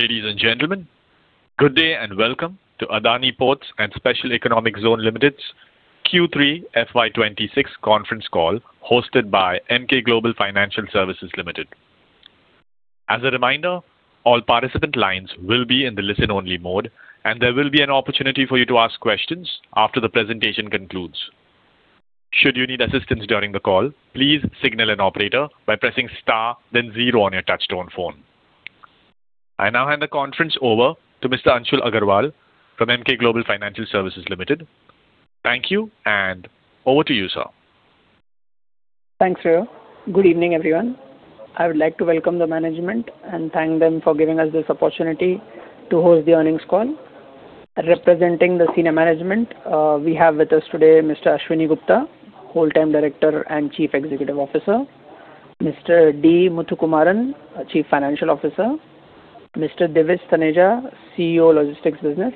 Ladies and gentlemen, good day, and welcome to Adani Ports and Special Economic Zone Limited's Q3 FY 2026 conference call, hosted by Emkay Global Financial Services Limited. As a reminder, all participant lines will be in the listen-only mode, and there will be an opportunity for you to ask questions after the presentation concludes. Should you need assistance during the call, please signal an operator by pressing Star, then zero on your touchtone phone. I now hand the conference over to Mr. Anshul Agrawal from Emkay Global Financial Services Limited. Thank you, and over to you, sir. Thanks, Rohit. Good evening, everyone. I would like to welcome the management and thank them for giving us this opportunity to host the earnings call. Representing the senior management, we have with us today Mr. Ashwani Gupta, Full-Time Director and Chief Executive Officer, Mr. D. Muthukumaran, Chief Financial Officer, Mr. Divij Taneja, CEO, Logistics Business,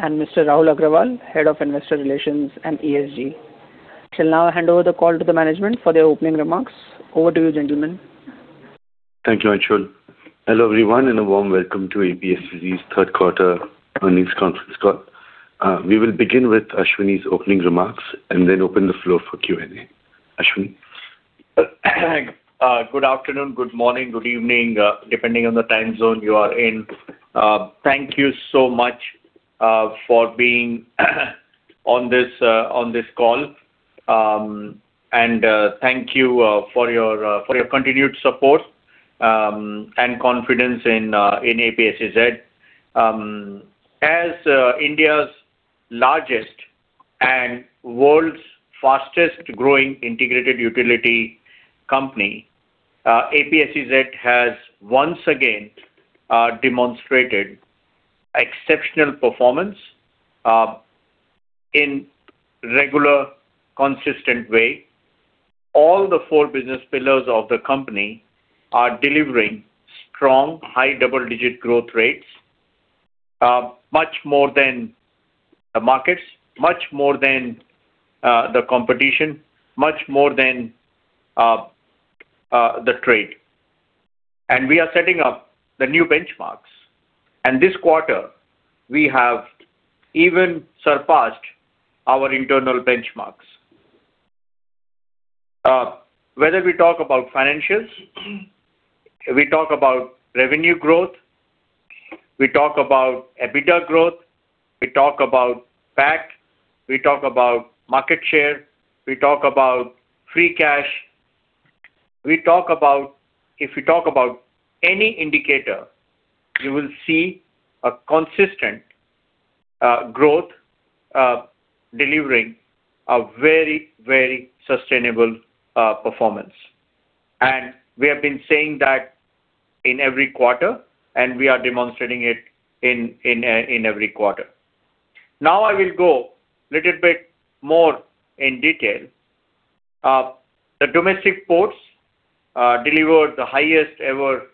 and Mr. Rahul Agarwal, Head of Investor Relations and ESG. I shall now hand over the call to the management for their opening remarks. Over to you, gentlemen. Thank you, Anshul. Hello, everyone, and a warm welcome to APSEZ's third quarter earnings conference call. We will begin with Ashwani's opening remarks and then open the floor for Q&A. Ashwani? Good afternoon, good morning, good evening, depending on the time zone you are in. Thank you so much for being on this call. And thank you for your continued support and confidence in APSEZ. As India's largest and world's fastest growing integrated utility company, APSEZ has once again demonstrated exceptional performance in regular, consistent way. All the four business pillars of the company are delivering strong, high double-digit growth rates, much more than the markets, much more than the competition, much more than the trade. We are setting up the new benchmarks. This quarter, we have even surpassed our internal benchmarks. Whether we talk about financials, we talk about revenue growth, we talk about EBITDA growth, we talk about PAT, we talk about market share, we talk about free cash, we talk about... If we talk about any indicator, you will see a consistent growth, delivering a very, very sustainable performance. And we have been saying that in every quarter, and we are demonstrating it in every quarter. Now, I will go a little bit more in detail. The domestic ports delivered the highest-ever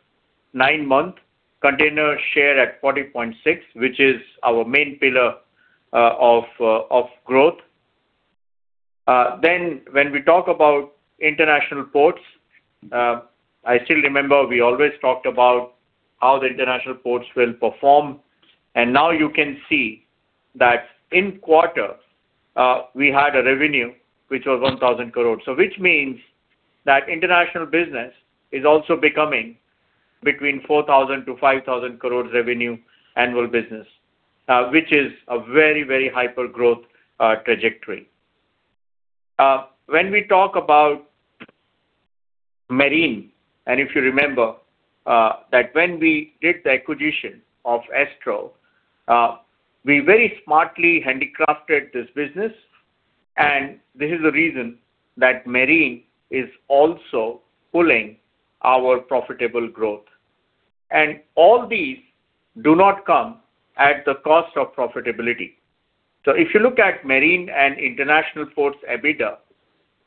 nine-month container share at 40.6, which is our main pillar of growth. Then, when we talk about international ports, I still remember we always talked about how the international ports will perform, and now you can see that in quarter, we had a revenue which was 1,000 crore. So which means that international business is also becoming 4,000-5,000 crore revenue annual business, which is a very, very hyper growth trajectory. When we talk about marine, and if you remember, that when we did the acquisition of Astro, we very smartly handcrafted this business, and this is the reason that marine is also pulling our profitable growth. And all these do not come at the cost of profitability. So if you look at marine and international ports EBITDA,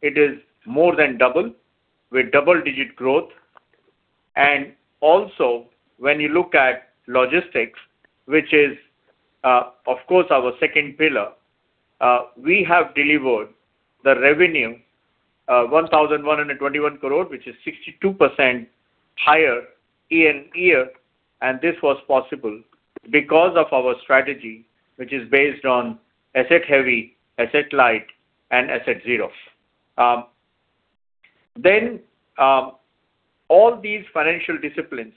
it is more than double, with double-digit growth. And also, when you look at logistics, which is, of course, our second pillar, we have delivered the revenue 1,121 crore, which is 62% higher year-on-year, and this was possible because of our strategy, which is based on asset heavy, asset light, and asset zero. Then, all these financial disciplines,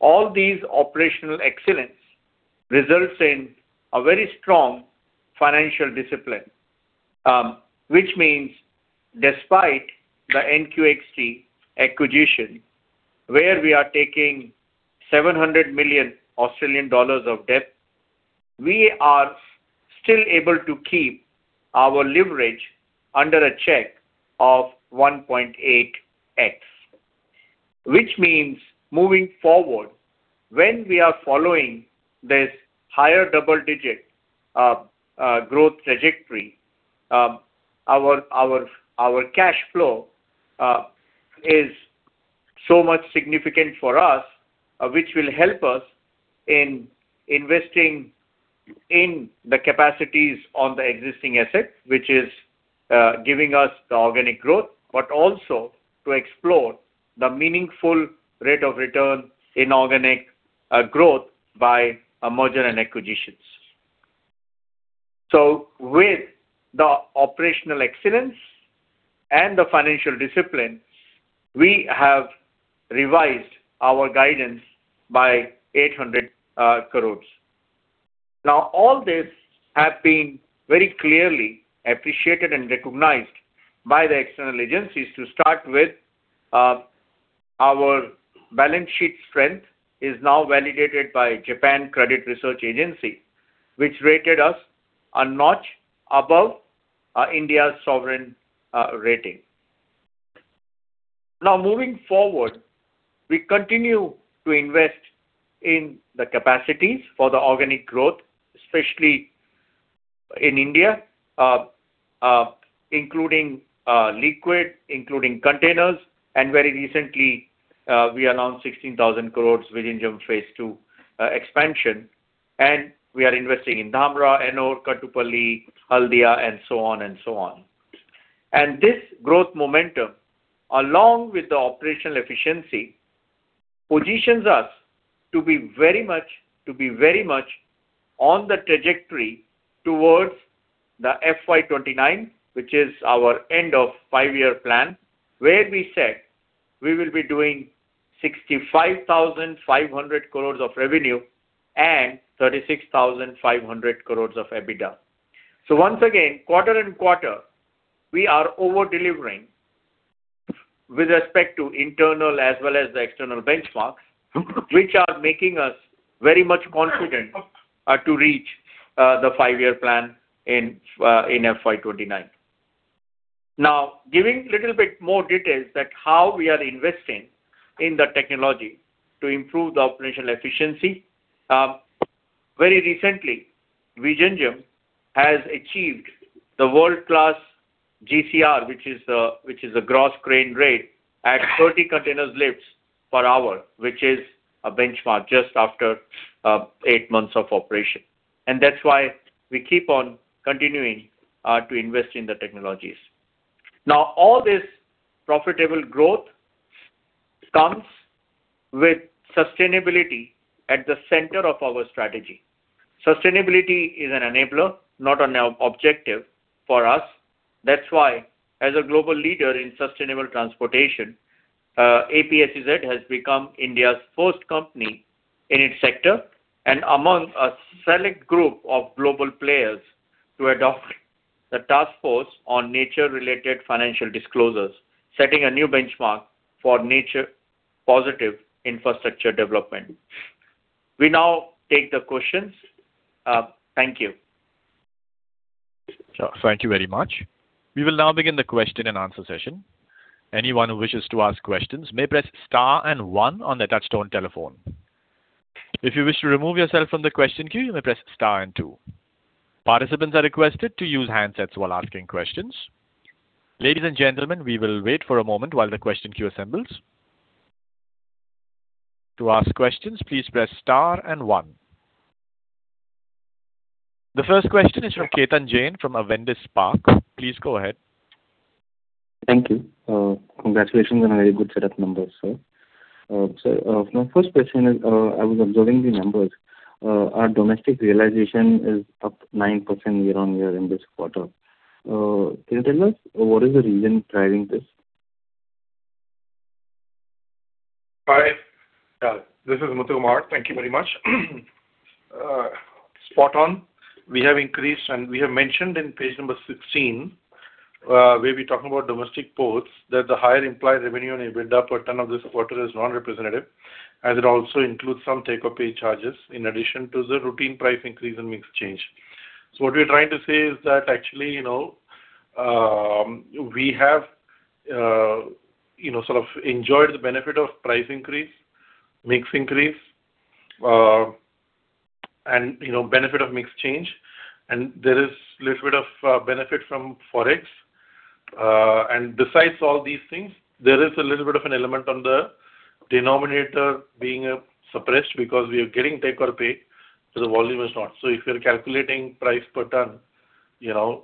all these operational excellence, results in a very strong financial discipline. Which means despite the NQXT acquisition, where we are taking 700 million Australian dollars of debt, we are still able to keep our leverage under a check of 1.8x. Which means, moving forward, when we are following this higher double-digit growth trajectory, our cash flow is so much significant for us, which will help us in investing-... In the capacities on the existing asset, which is giving us the organic growth, but also to explore the meaningful rate of return in organic growth by a merger and acquisitions. So with the operational excellence and the financial discipline, we have revised our guidance by 800 crore. Now, all this have been very clearly appreciated and recognized by the external agencies. To start with, our balance sheet strength is now validated by Japan Credit Research Agency, which rated us a notch above India's sovereign rating. Now moving forward, we continue to invest in the capacities for the organic growth, especially in India, including liquid, including containers, and very recently, we announced 16,000 crore Vizhinjam Phase II expansion, and we are investing in Dhamra, Ennore, Kattupalli, Haldia, and so on and so on. This growth momentum, along with the operational efficiency, positions us very much on the trajectory towards the FY 2029, which is our end of five-year plan, where we said we will be doing 65,500 crore of revenue and 36,500 crore of EBITDA. So once again, quarter-and-quarter, we are over-delivering with respect to internal as well as the external benchmarks, which are making us very much confident to reach the five-year plan in FY 2029. Now, giving little bit more details that how we are investing in the technology to improve the operational efficiency. Very recently, Vizhinjam has achieved the world-class GCR, which is a gross crane rate at 30 container lifts per hour, which is a benchmark just after eight months of operation. That's why we keep on continuing to invest in the technologies. Now, all this profitable growth comes with sustainability at the center of our strategy. Sustainability is an enabler, not an objective for us. That's why, as a global leader in sustainable transportation, APSEZ has become India's first company in its sector and among a select group of global players to adopt the Taskforce on Nature-related Financial Disclosures, setting a new benchmark for nature-positive infrastructure development. We now take the questions. Thank you. Thank you very much. We will now begin the question and answer session. Anyone who wishes to ask questions may press star and one on their touchtone telephone. If you wish to remove yourself from the question queue, you may press star and two. Participants are requested to use handsets while asking questions. Ladies and gentlemen, we will wait for a moment while the question queue assembles. To ask questions, please press star and one. The first question is from Ketan Jain, from Avendus Spark. Please go ahead. Thank you. Congratulations on a very good set of numbers, sir. My first question is, I was observing the numbers. Our domestic realization is up 9% year-on-year in this quarter. Can you tell us what is the reason driving this? Hi, this is D. Muthukumaran. Thank you very much. Spot on. We have increased, and we have mentioned in page number 16, where we're talking about domestic ports, that the higher implied revenue and EBITDA per ton of this quarter is non-representative, and it also includes some take-or-pay charges, in addition to the routine price increase and mix change. So what we're trying to say is that, actually, you know, we have, you know, sort of enjoyed the benefit of price increase, mix increase, and, you know, benefit of mix change, and there is little bit of, benefit from Forex. And besides all these things, there is a little bit of an element on the denominator being, suppressed because we are getting take or pay, so the volume is not. So if you're calculating price per ton, you know,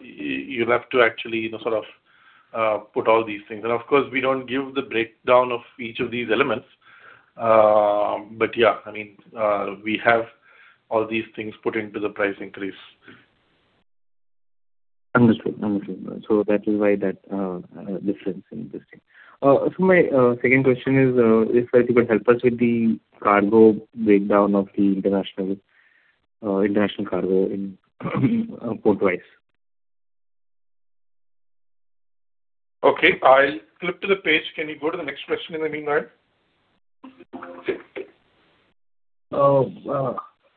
you'll have to actually, you know, sort of, put all these things. And of course, we don't give the breakdown of each of these elements. But yeah, I mean, we have all these things put into the price increase. Understood. Understood. So that is why that difference in this thing. So my second question is, if you could help us with the cargo breakdown of the international international cargo in, port-wise. Okay, I'll flip to the page. Can you go to the next question in the meanwhile?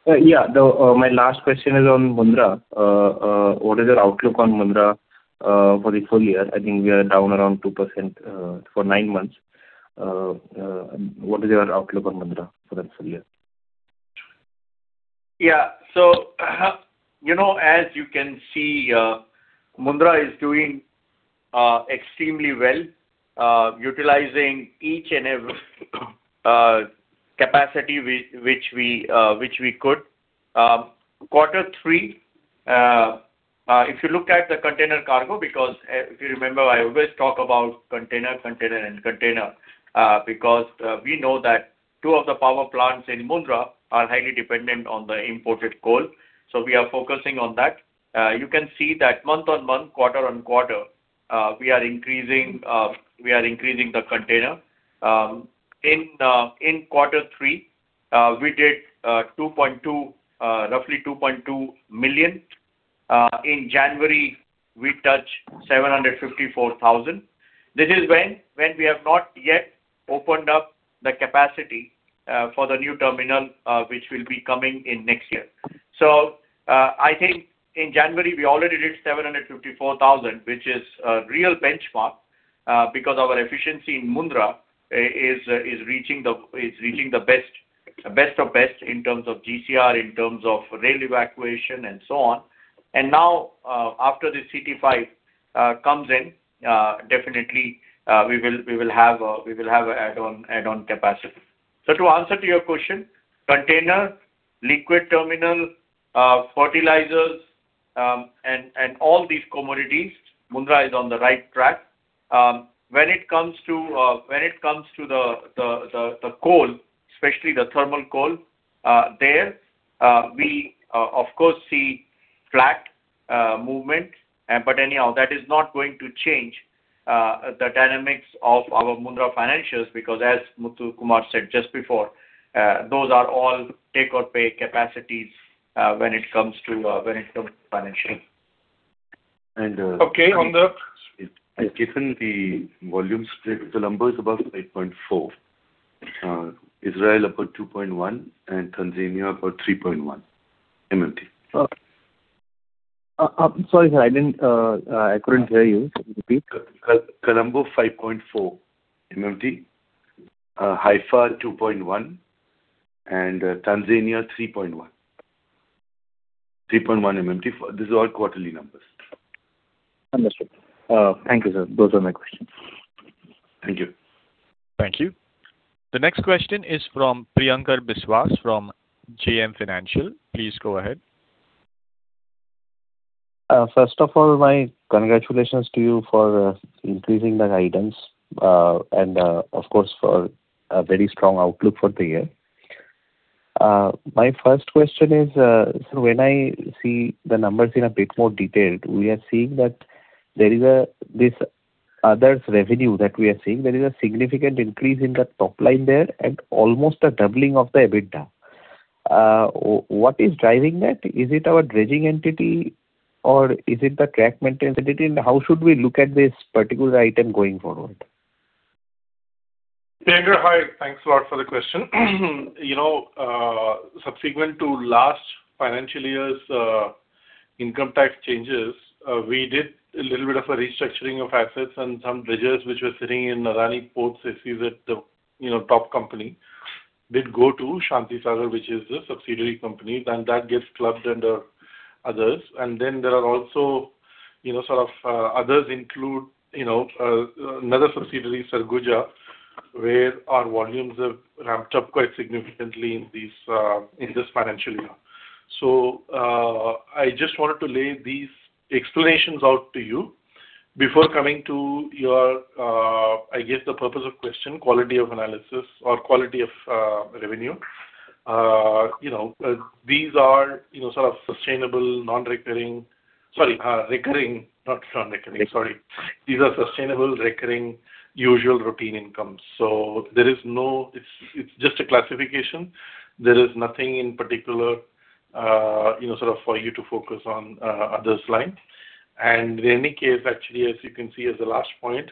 Yeah. My last question is on Mundra. What is your outlook on Mundra for the full year? I think we are down around 2% for nine months. What is your outlook on Mundra for the full year? Yeah. So, you know, as you can see, Mundra is doing extremely well, utilizing each and every capacity which we could. Quarter three, if you look at the container cargo, because if you remember, I always talk about container, container, and container, because we know that two of the power plants in Mundra are highly dependent on the imported coal, so we are focusing on that. You can see that month-on-month, quarter-on-quarter, we are increasing, we are increasing the container. In quarter three, we did roughly 2.2 million. In January, we touched 754,000. This is when we have not yet opened up the capacity for the new terminal, which will be coming in next year. So, I think in January we already did 754,000, which is a real benchmark, because our efficiency in Mundra is reaching the best of best in terms of GCR, in terms of rail evacuation, and so on. And now, after the CT5 comes in, definitely, we will have a add-on capacity. So to answer to your question, container, liquid terminal, fertilizers, and all these commodities, Mundra is on the right track. When it comes to the coal, especially the thermal coal, there we of course see flat movement, but anyhow, that is not going to change the dynamics of our Mundra financials, because as Muthukumaran said just before, those are all take or pay capacities, when it comes to financing. And, uh- Okay, on the- I've given the volume state, the numbers above 8.4. Israel about 2.1, and Tanzania about 3.1, MMT. Sorry, sir, I didn't, I couldn't hear you. Could you repeat? Colombo, 5.4 MMT, Haifa, 2.1, and Tanzania, 3.1. 3.1 MMT, these are all quarterly numbers. Understood. Thank you, sir. Those are my questions. Thank you. Thank you. The next question is from Priyankar Biswas from JM Financial. Please go ahead. First of all, my congratulations to you for increasing the guidance, and, of course, for a very strong outlook for the year. My first question is, so when I see the numbers in a bit more detail, we are seeing that there is this others revenue that we are seeing. There is a significant increase in the top line there and almost a doubling of the EBITDA. What is driving that? Is it our dredging entity or is it the track maintenance entity, and how should we look at this particular item going forward? Priyankar, hi. Thanks a lot for the question. You know, subsequent to last financial year's income tax changes, we did a little bit of a restructuring of assets and some dredgers, which were sitting in Adani Ports SEZ at the, you know, top company, did go to Shanti Sagar, which is a subsidiary company, then that gets clubbed under others. And then there are also, you know, sort of, others include, you know, another subsidiary, Sarguja, where our volumes have ramped up quite significantly in these, in this financial year. So, I just wanted to lay these explanations out to you before coming to your, I guess, the purpose of question, quality of analysis or quality of, revenue. You know, these are, you know, sort of sustainable, non-recurring... Sorry, recurring, not non-recurring, sorry. These are sustainable, recurring, usual routine incomes. So there is no. It's, it's just a classification. There is nothing in particular, you know, sort of for you to focus on, others line. And in any case, actually, as you can see as the last point,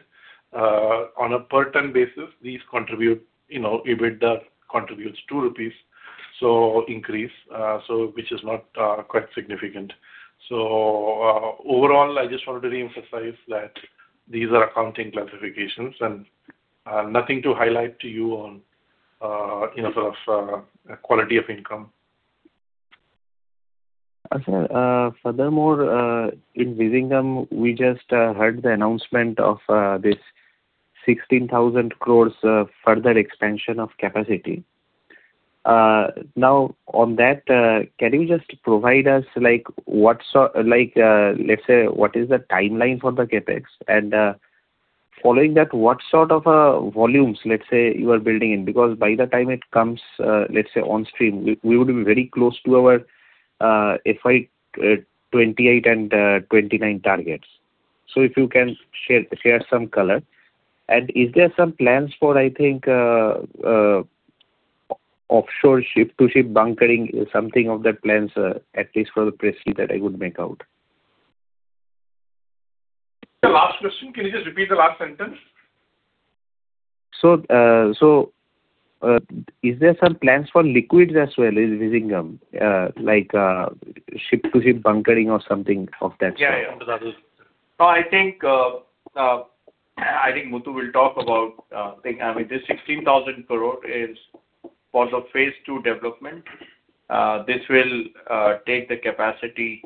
on a per ton basis, these contribute, you know, EBITDA contributes 2 rupees, so increase, so which is not quite significant. So, overall, I just wanted to reemphasize that these are accounting classifications and, nothing to highlight to you on, in sort of, quality of income. Sir, furthermore, in Vizhinjam, we just heard the announcement of this 16,000 crore further expansion of capacity. Now, on that, can you just provide us like, Like, let's say, what is the timeline for the CapEx? And, following that, what sort of volumes, let's say, you are building in? Because by the time it comes, let's say, on stream, we would be very close to our FY 2028 and 2029 targets. So if you can share some color. And is there some plans for, I think, offshore ship-to-ship bunkering, something of that plans, at least for the press release that I would make out? The last question. Can you just repeat the last sentence? So, is there some plans for liquids as well in Vizhinjam? Like, ship-to-ship bunkering or something of that sort? Yeah, yeah. Oh, I think, I think Muthu will talk about, I mean, this 16,000 crore is for the phase two development. This will take the capacity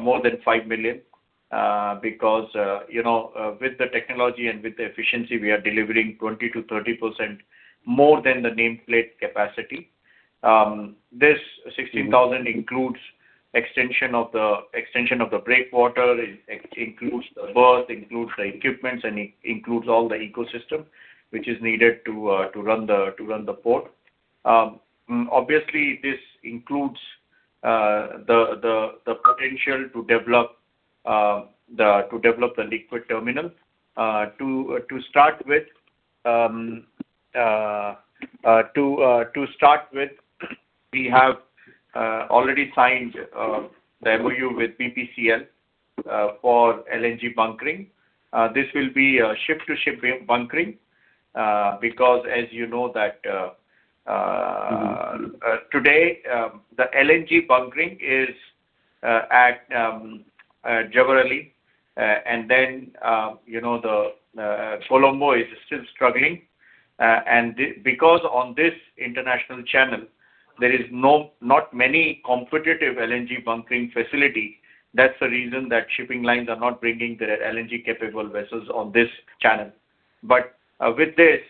more than 5 million, because, you know, with the technology and with the efficiency, we are delivering 20%-30% more than the nameplate capacity. This 16,000 crore includes extension of the breakwater, it includes the berth, includes the equipments, and it includes all the ecosystem, which is needed to run the port. Obviously, this includes the potential to develop the liquid terminal. To start with, we have already signed the MOU with BPCL for LNG bunkering. This will be a ship-to-ship rebunkering, because as you know that, Mm-hmm. Today, the LNG bunkering is, at, generally, and then, you know, the, Colombo is still struggling. And because on this international channel, there is no not many competitive LNG bunkering facility. That's the reason that shipping lines are not bringing their LNG-capable vessels on this channel. But, with this,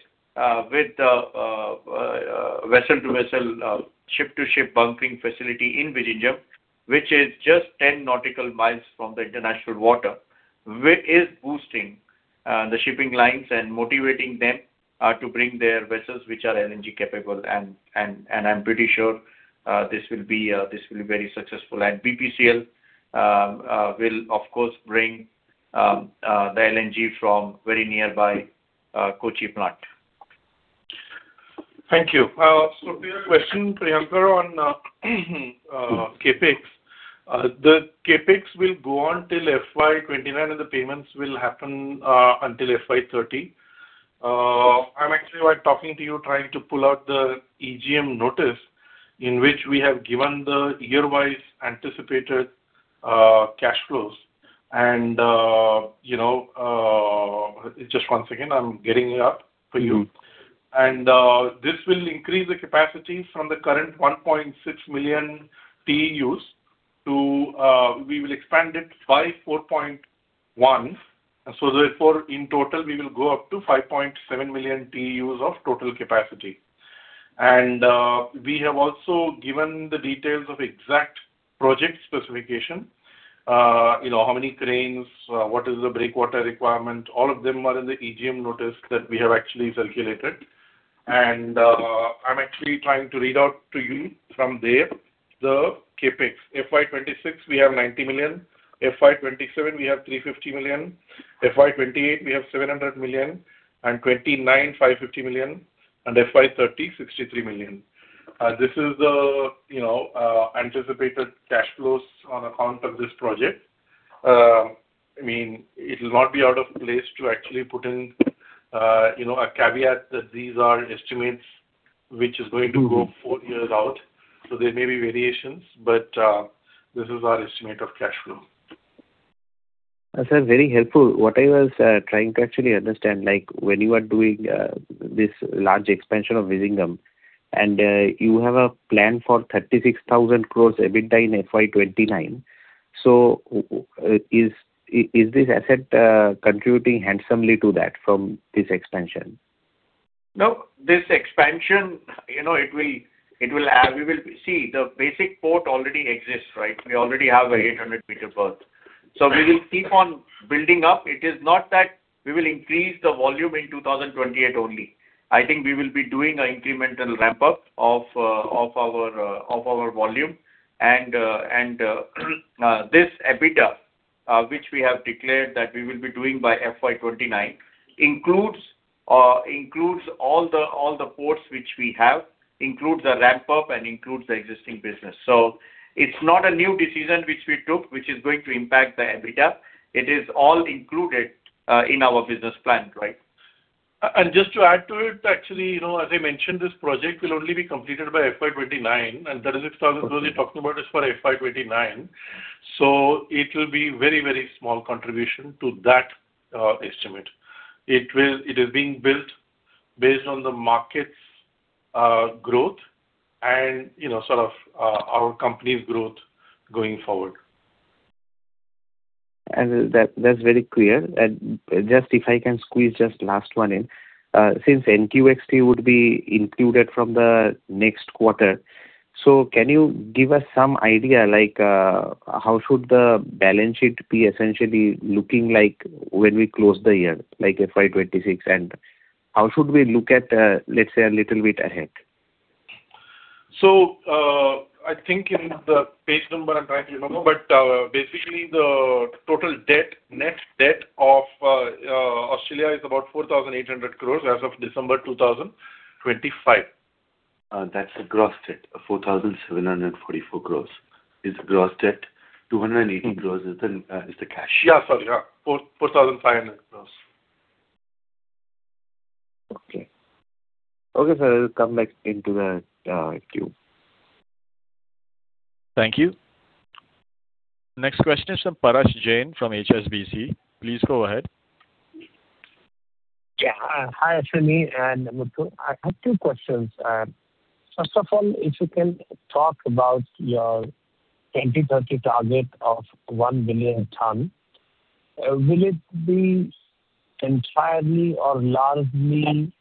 with the, vessel-to-vessel, ship-to-ship bunkering facility in Vizag, which is just 10 nautical miles from the international water, which is boosting, the shipping lines and motivating them, to bring their vessels, which are LNG capable. And, and, and I'm pretty sure, this will be, this will be very successful. And BPCL, will, of course, bring, the LNG from very nearby, Kochi plant. Thank you. So we have a question, Priyan, on CapEx. The CapEx will go on till FY 2029, and the payments will happen until FY 2030. I'm actually, while talking to you, trying to pull out the EGM notice, in which we have given the year-wise anticipated cash flows. You know, just one second, I'm getting it up for you. This will increase the capacity from the current 1.6 million TEUs to, we will expand it by 4.1. So therefore, in total, we will go up to 5.7 million TEUs of total capacity. We have also given the details of exact project specification. You know, how many cranes, what is the breakwater requirement? All of them are in the EGM notice that we have actually calculated. I'm actually trying to read out to you from there, the CapEx. FY 2026, we have 90 million. FY 2027, we have 350 million. FY 2028, we have 700 million, and 2029, 550 million, and FY 2030, 63 million. This is the, you know, anticipated cash flows on account of this project. I mean, it will not be out of place to actually put in, you know, a caveat that these are estimates which is going to go four years out, so there may be variations, but, this is our estimate of cash flow. Sir, very helpful. What I was trying to actually understand, like, when you are doing this large expansion of Vizag, and you have a plan for 36,000 crore EBITDA in FY 2029. So is this asset contributing handsomely to that from this expansion? No, this expansion, you know, it will... we will... See, the basic port already exists, right? We already have an 800-meter berth. So we will keep on building up. It is not that we will increase the volume in 2028 only. I think we will be doing an incremental ramp-up of our volume. And this EBITDA, which we have declared that we will be doing by FY 2029, includes all the ports which we have, includes the ramp-up, and includes the existing business. So it's not a new decision which we took, which is going to impact the EBITDA. It is all included in our business plan, right? Just to add to it, actually, you know, as I mentioned, this project will only be completed by FY 2029, and the results we're talking about is for FY 2029. So it will be very, very small contribution to that estimate. It is being built based on the market's growth and, you know, sort of, our company's growth going forward. And that, that's very clear. And just if I can squeeze just last one in. Since NQXT would be included from the next quarter, so can you give us some idea, like, how should the balance sheet be essentially looking like when we close the year, like FY 2026? And how should we look at, let's say, a little bit ahead? I think in the page number I'm trying to remember, but basically, the total debt, net debt of Australia, is about 4,800 crore as of December 2025. That's the gross debt, 4,744 crore. 280 crore is the cash. Yeah, sorry. Yeah, 4,500 crore.... Okay, sir, I will come back into the queue. Thank you. Next question is from Parash Jain from HSBC. Please go ahead. Yeah. Hi, Ashwani and Muthu. I have two questions. First of all, if you can talk about your 2030 target of 1 billion ton, will it be entirely or largely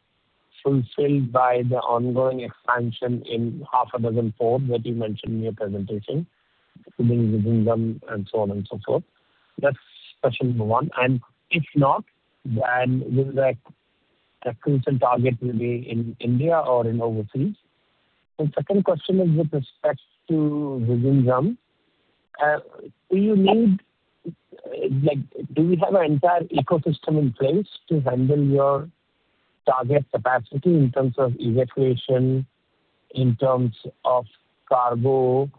fulfilled by the ongoing expansion in half a dozen port that you mentioned in your presentation, including Vizhinjam, and so on and so forth? That's question number one, and if not, then will the recruitment target will be in India or in overseas? The second question is with respect to Vizhinjam. Do you need, like, do you have an entire ecosystem in place to handle your target capacity in terms of evacuation, in terms of cargo?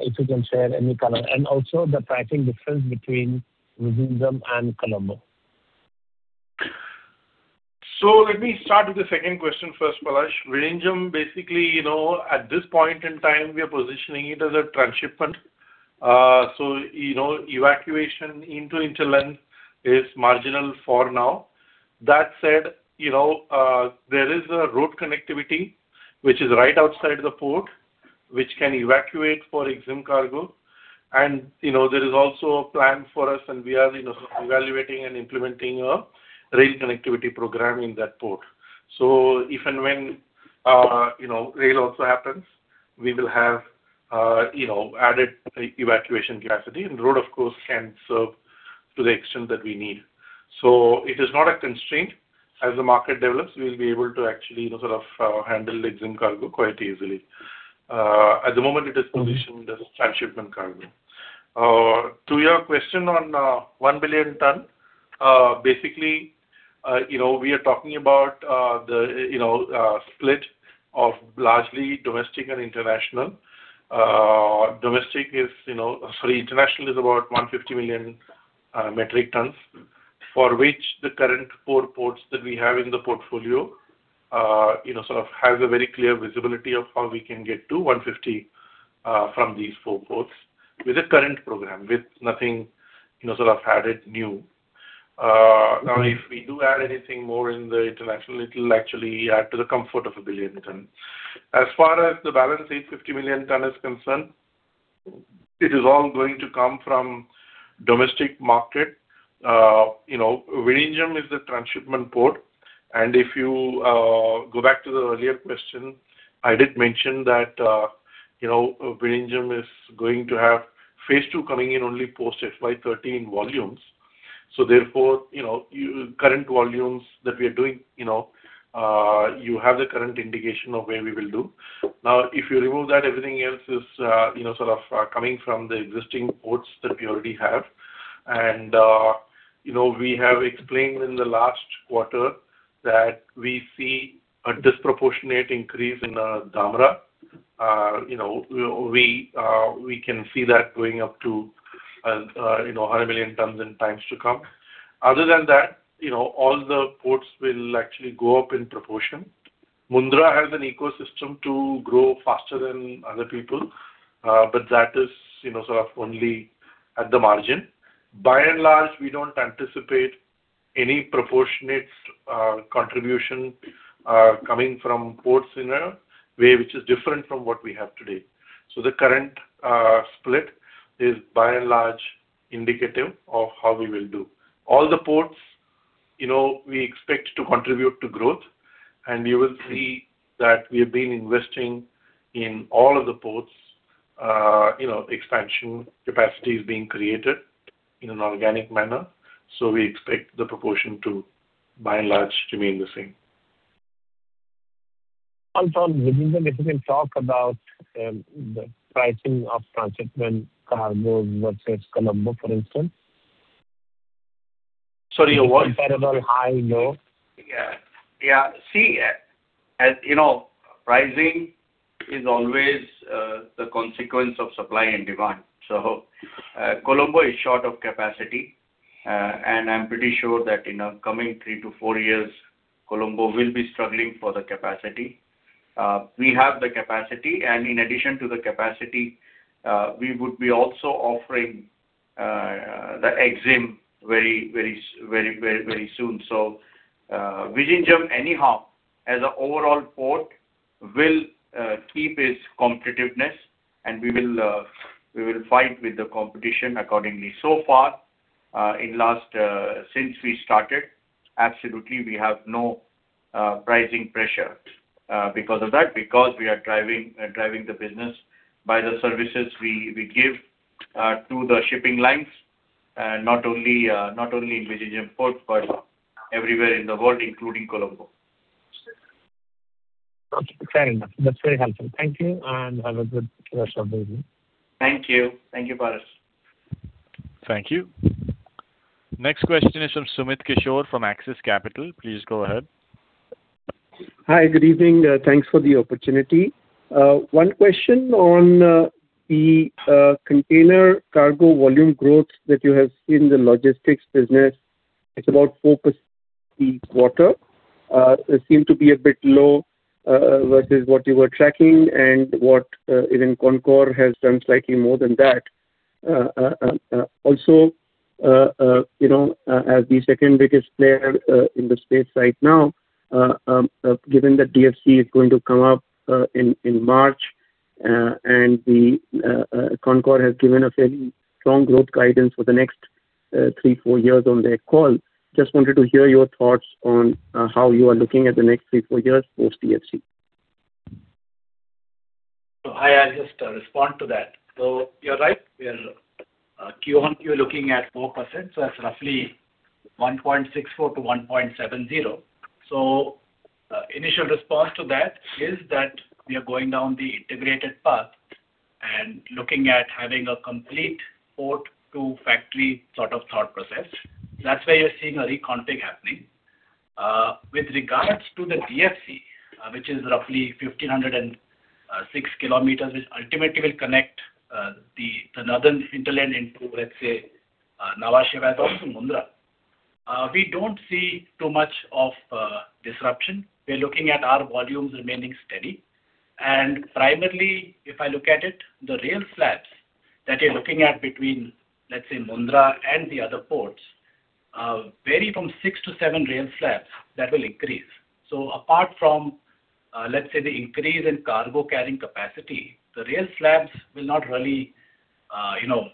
If you can share any color, and also the pricing difference between Vizhinjam and Colombo. So let me start with the second question first, Parash. Vizhinjam, basically, you know, at this point in time, we are positioning it as a transshipment. So, you know, evacuation into hinterland is marginal for now. That said, you know, there is a road connectivity, which is right outside the port, which can evacuate for exim cargo. And, you know, there is also a plan for us, and we are, you know, evaluating and implementing a rail connectivity program in that port. So if and when, you know, rail also happens, we will have, you know, added evacuation capacity, and road, of course, can serve to the extent that we need. So it is not a constraint. As the market develops, we will be able to actually, you know, sort of, handle the exim cargo quite easily. At the moment, it is positioned as a transshipment cargo. To your question on 1 billion ton, basically, you know, we are talking about the, you know, split of largely domestic and international. Domestic is, you know... Sorry, international is about 150 million metric tons, for which the current four ports that we have in the portfolio, you know, sort of has a very clear visibility of how we can get to 150, from these four ports with the current program, with nothing, you know, sort of added new. Now, if we do add anything more in the international, it'll actually add to the comfort of a 1 billion ton. As far as the balance, 850 million ton is concerned, it is all going to come from domestic market. You know, Vizhinjam is the transshipment port, and if you go back to the earlier question, I did mention that, you know, Vizhinjam is going to have phase two coming in only post FY 2030 volumes. So therefore, you know, current volumes that we are doing, you know, you have the current indication of where we will do. Now, if you remove that, everything else is, you know, sort of, coming from the existing ports that we already have. And, you know, we have explained in the last quarter that we see a disproportionate increase in Dhamra. You know, we, we can see that going up to, you know, 100 million tons in times to come. Other than that, you know, all the ports will actually go up in proportion. Mundra has an ecosystem to grow faster than other people, but that is, you know, sort of only at the margin. By and large, we don't anticipate any proportionate contribution coming from ports in a way which is different from what we have today. So the current split is by and large indicative of how we will do. All the ports, you know, we expect to contribute to growth, and you will see that we have been investing in all of the ports. You know, expansion capacity is being created in an organic manner, so we expect the proportion to, by and large, remain the same. On top Vizhinjam, if you can talk about the pricing of transshipment cargo versus Colombo, for instance? Sorry, what? High, low? Yeah. Yeah. See, as you know, pricing is always the consequence of supply and demand. So, Colombo is short of capacity, and I'm pretty sure that in a coming 3-4 years, Colombo will be struggling for the capacity. We have the capacity, and in addition to the capacity, we would be also offering the expansion very, very, very, very soon. So, Vizhinjam, anyhow, as an overall port, will keep its competitiveness, and we will fight with the competition accordingly. So far, in last since we started, absolutely, we have no pricing pressure because of that, because we are driving, driving the business by the services we, we give to the shipping lines, not only in Vizhinjam port, but everywhere in the world, including Colombo. Okay, fair enough. That's very helpful. Thank you, and have a good rest of the day. Thank you. Thank you, Parish. Thank you. Next question is from Sumit Kishore from Axis Capital. Please go ahead. Hi, good evening. Thanks for the opportunity. One question on,... The container cargo volume growth that you have seen in the logistics business, it's about 4% each quarter. It seemed to be a bit low versus what you were tracking and what even Concor has done slightly more than that. Also, you know, as the second biggest player in the space right now, given that DFC is going to come up in March, and Concor has given a very strong growth guidance for the next 3-4 years on their call. Just wanted to hear your thoughts on how you are looking at the next 3-4 years post DFC. So I, I'll just respond to that. So you're right, we are Q-on-Q looking at 4%, so that's roughly 1.64 to 1.70. So initial response to that is that we are going down the integrated path and looking at having a complete port to factory sort of thought process. That's why you're seeing a reconfig happening. With regards to the DFC, which is roughly 1,506 kilometers, which ultimately will connect the northern hinterland into, let's say, Nava Sheva to Mundra. We don't see too much of disruption. We're looking at our volumes remaining steady. And primarily, if I look at it, the rail slabs that you're looking at between, let's say, Mundra and the other ports vary from six to seven rail slabs that will increase. So apart from, let's say, the increase in cargo carrying capacity, the rail slabs will not really, you know,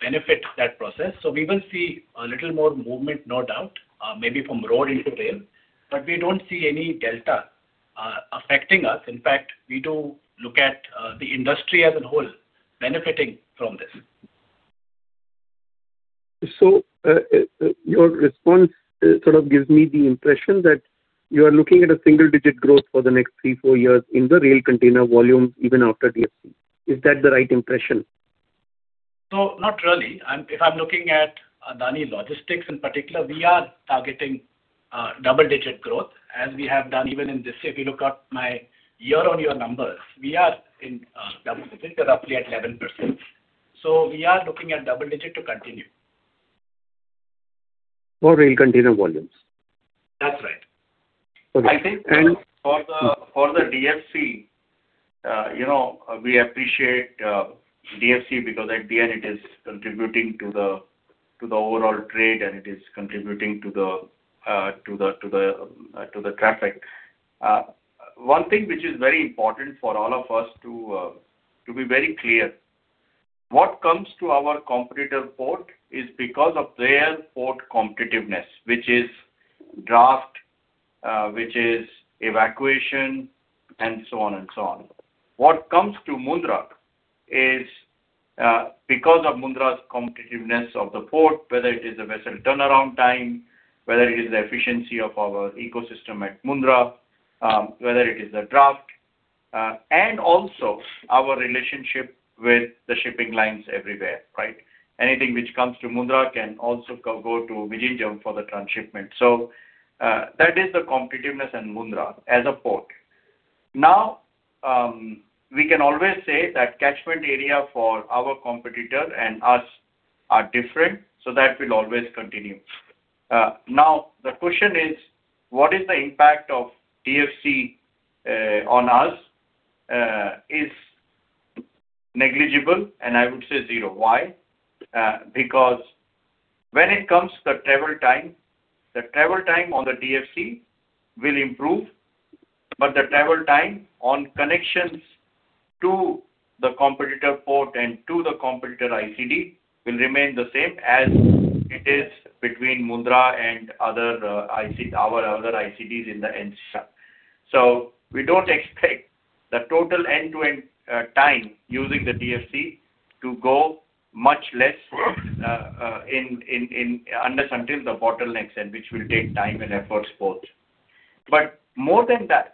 benefit that process. So we will see a little more movement, no doubt, maybe from road into rail, but we don't see any delta, affecting us. In fact, we do look at, the industry as a whole benefiting from this. Your response sort of gives me the impression that you are looking at a single-digit growth for the next 3, 4 years in the rail container volume, even after DFC. Is that the right impression? No, not really. If I'm looking at Adani Logistics in particular, we are targeting double-digit growth, as we have done even in this year. If you look at my year-on-year numbers, we are in double-digit, we're roughly at 11%. So we are looking at double-digit to continue. For rail container volumes? That's right. Okay, and- I think for the DFC, you know, we appreciate DFC, because at the end it is contributing to the overall trade, and it is contributing to the traffic. One thing which is very important for all of us to be very clear, what comes to our competitor port is because of their port competitiveness, which is draft, which is evacuation, and so on and so on. What comes to Mundra is because of Mundra's competitiveness of the port, whether it is a vessel turnaround time, whether it is the efficiency of our ecosystem at Mundra, whether it is the draft, and also our relationship with the shipping lines everywhere, right? Anything which comes to Mundra can also go to Vizag for the transshipment. That is the competitiveness in Mundra as a port. Now, we can always say that catchment area for our competitor and us are different, so that will always continue. Now, the question is: What is the impact of DFC on us? Is negligible, and I would say zero. Why? Because when it comes to travel time, the travel time on the DFC will improve, but the travel time on connections to the competitor port and to the competitor ICD will remain the same as it is between Mundra and our other ICDs inland. So we don't expect the total end-to-end time using the DFC to go much less unless until the bottlenecks and which will take time and effort both. But more than that,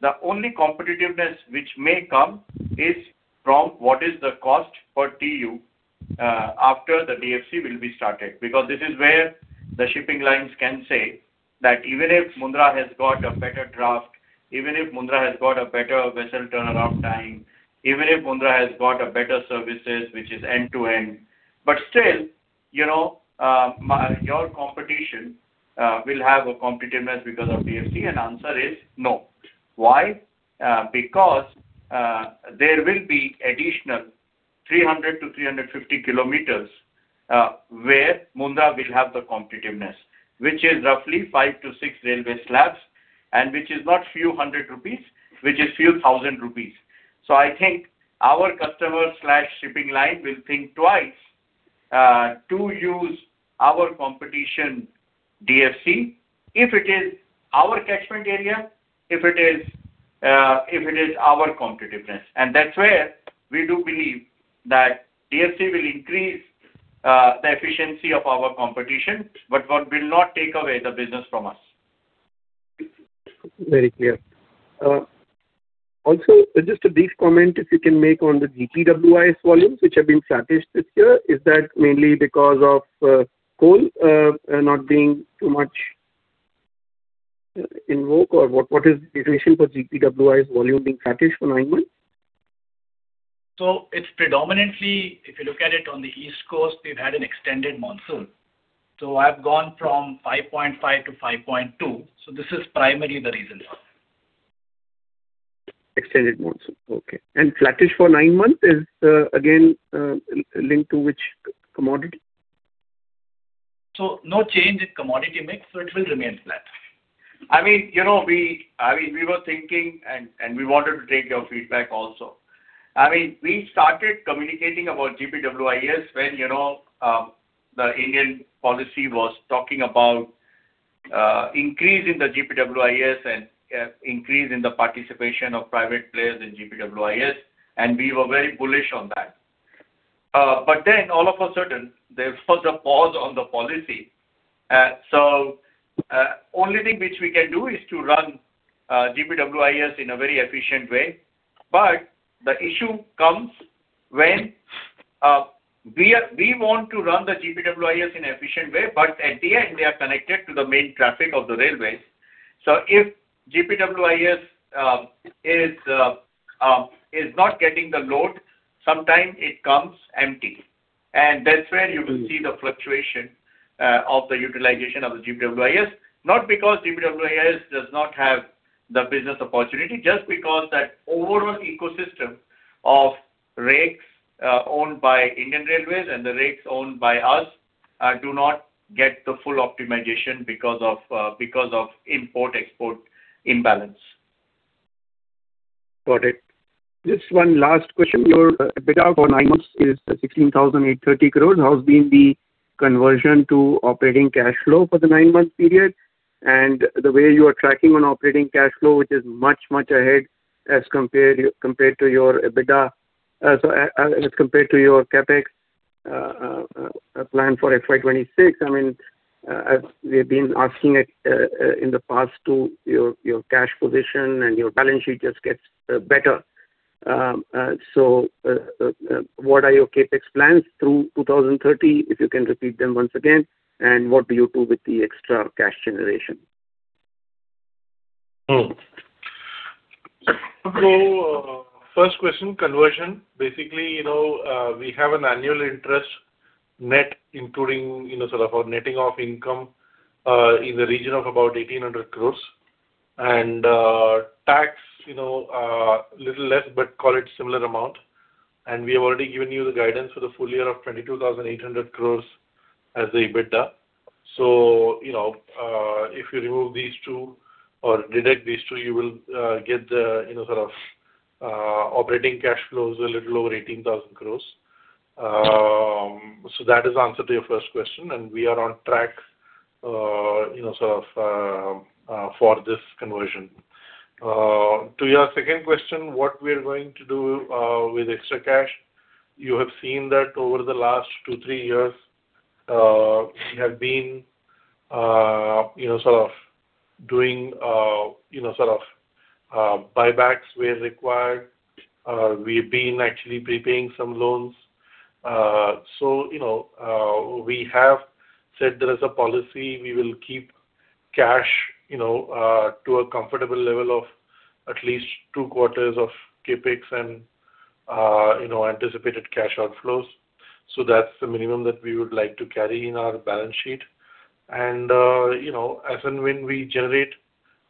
the only competitiveness which may come is from what is the cost per TEU after the DFC will be started. Because this is where the shipping lines can say that even if Mundra has got a better draft, even if Mundra has got a better vessel turnaround time, even if Mundra has got a better services, which is end-to-end, but still, you know, my, your competition will have a competitiveness because of DFC, and answer is no. Why? Because there will be additional 300-350 kilometers where Mundra will have the competitiveness, which is roughly 5-6 railway slabs, and which is not few hundred INR, which is few thousand INR. So I think our customer slash shipping line will think twice to use our competition DFC, if it is our catchment area, if it is, if it is our competitiveness. And that's where we do believe that DFC will increase the efficiency of our competition, but what will not take away the business from us. Very clear. Also, just a brief comment, if you can make on the GPWIS volumes, which have been flattish this year. Is that mainly because of, coal, not being too much?... invoke or what, what is the reason for GPWIS volume being flattish for nine months? So it's predominantly, if you look at it on the East Coast, we've had an extended monsoon. So I've gone from 5.5 to 5.2, so this is primarily the reason for it. Extended monsoon, okay. Flattish for nine months is, again, linked to which commodity? So no change in commodity mix, so it will remain flat. I mean, you know, we I mean, we were thinking and we wanted to take your feedback also. I mean, we started communicating about GPWIS when, you know, the Indian policy was talking about increasing the GPWIS and increase in the participation of private players in GPWIS, and we were very bullish on that. So only thing which we can do is to run GPWIS in a very efficient way. But the issue comes when we want to run the GPWIS in an efficient way, but at the end, we are connected to the main traffic of the railways. So if GPWIS is not getting the load, sometimes it comes empty. That's where you will see the fluctuation of the utilization of the GPWIS. Not because GPWIS does not have the business opportunity, just because that overall ecosystem of rakes owned by Indian Railways and the rakes owned by us do not get the full optimization because of, because of import/export imbalance. Got it. Just one last question. Your EBITDA for nine months is 16,830 crores. How's been the conversion to operating cash flow for the nine-month period? And the way you are tracking on operating cash flow, which is much, much ahead as compared to your EBITDA. So, as compared to your CapEx plan for FY 2026. I mean, in the past to your cash position and your balance sheet just gets better. So, what are your CapEx plans through 2030? If you can repeat them once again, and what do you do with the extra cash generation? Hmm. So, first question, conversion. Basically, you know, we have an annual interest net, including, you know, sort of our netting off income, in the region of about 1,800 crores. And, tax, you know, little less, but call it similar amount. And we have already given you the guidance for the full year of 22,800 crores as the EBITDA. So, you know, if you remove these two or deduct these two, you will, get the, you know, sort of, operating cash flows a little over 18,000 crores. So that is the answer to your first question, and we are on track, you know, sort of, for this conversion. To your second question, what we are going to do, with extra cash? You have seen that over the last two, three years, we have been, you know, sort of doing, you know, sort of, buybacks where required. We've been actually prepaying some loans. So, you know, we have said there is a policy, we will keep cash, you know, to a comfortable level of at least two quarters of CapEx and, you know, anticipated cash outflows. So that's the minimum that we would like to carry in our balance sheet. And, you know, as and when we generate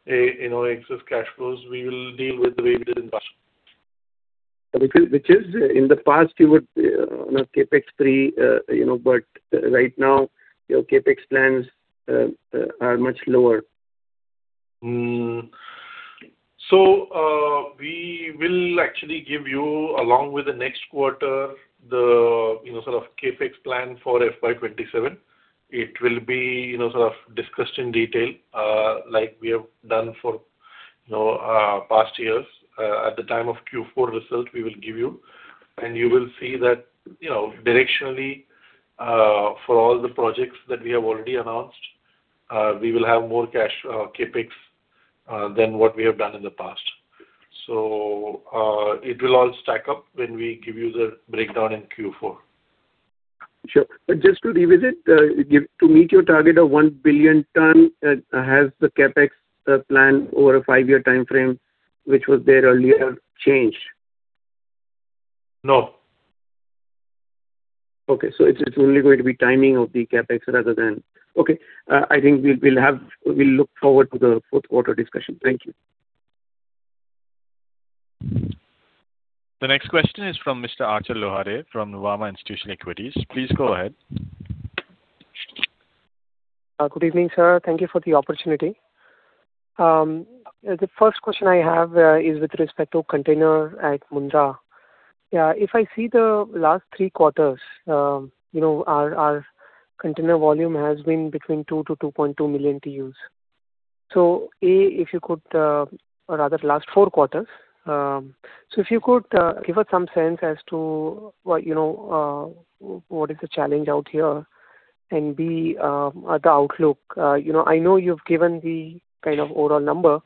a, you know, excess cash flows, we will deal with the way it is invested. Which is, which is in the past, you would, you know, CapEx 3, you know, but right now, your CapEx plans are much lower. We will actually give you, along with the next quarter, the, you know, sort of CapEx plan for FY 2027. It will be, you know, sort of discussed in detail, like we have done for, you know, past years. At the time of Q4 results, we will give you. You will see that, you know, directionally, for all the projects that we have already announced, we will have more cash CapEx than what we have done in the past. It will all stack up when we give you the breakdown in Q4. Sure. Just to revisit, to meet your target of 1 billion ton, has the CapEx plan over a five-year timeframe, which was there earlier, changed? No. Okay, so it's only going to be timing of the CapEx rather than... Okay, I think we'll look forward to the fourth quarter discussion. Thank you. The next question is from Mr. Achal Lohade from Nuvama Institutional Equities. Please go ahead. Good evening, sir. Thank you for the opportunity. The first question I have is with respect to container at Mundra. Yeah, if I see the last three quarters, you know, our, our container volume has been between 2-2.2 million TEUs. So, A, if you could, or rather last four quarters. So if you could give us some sense as to what, you know, what is the challenge out here, and, B, the outlook. You know, I know you've given the kind of overall number,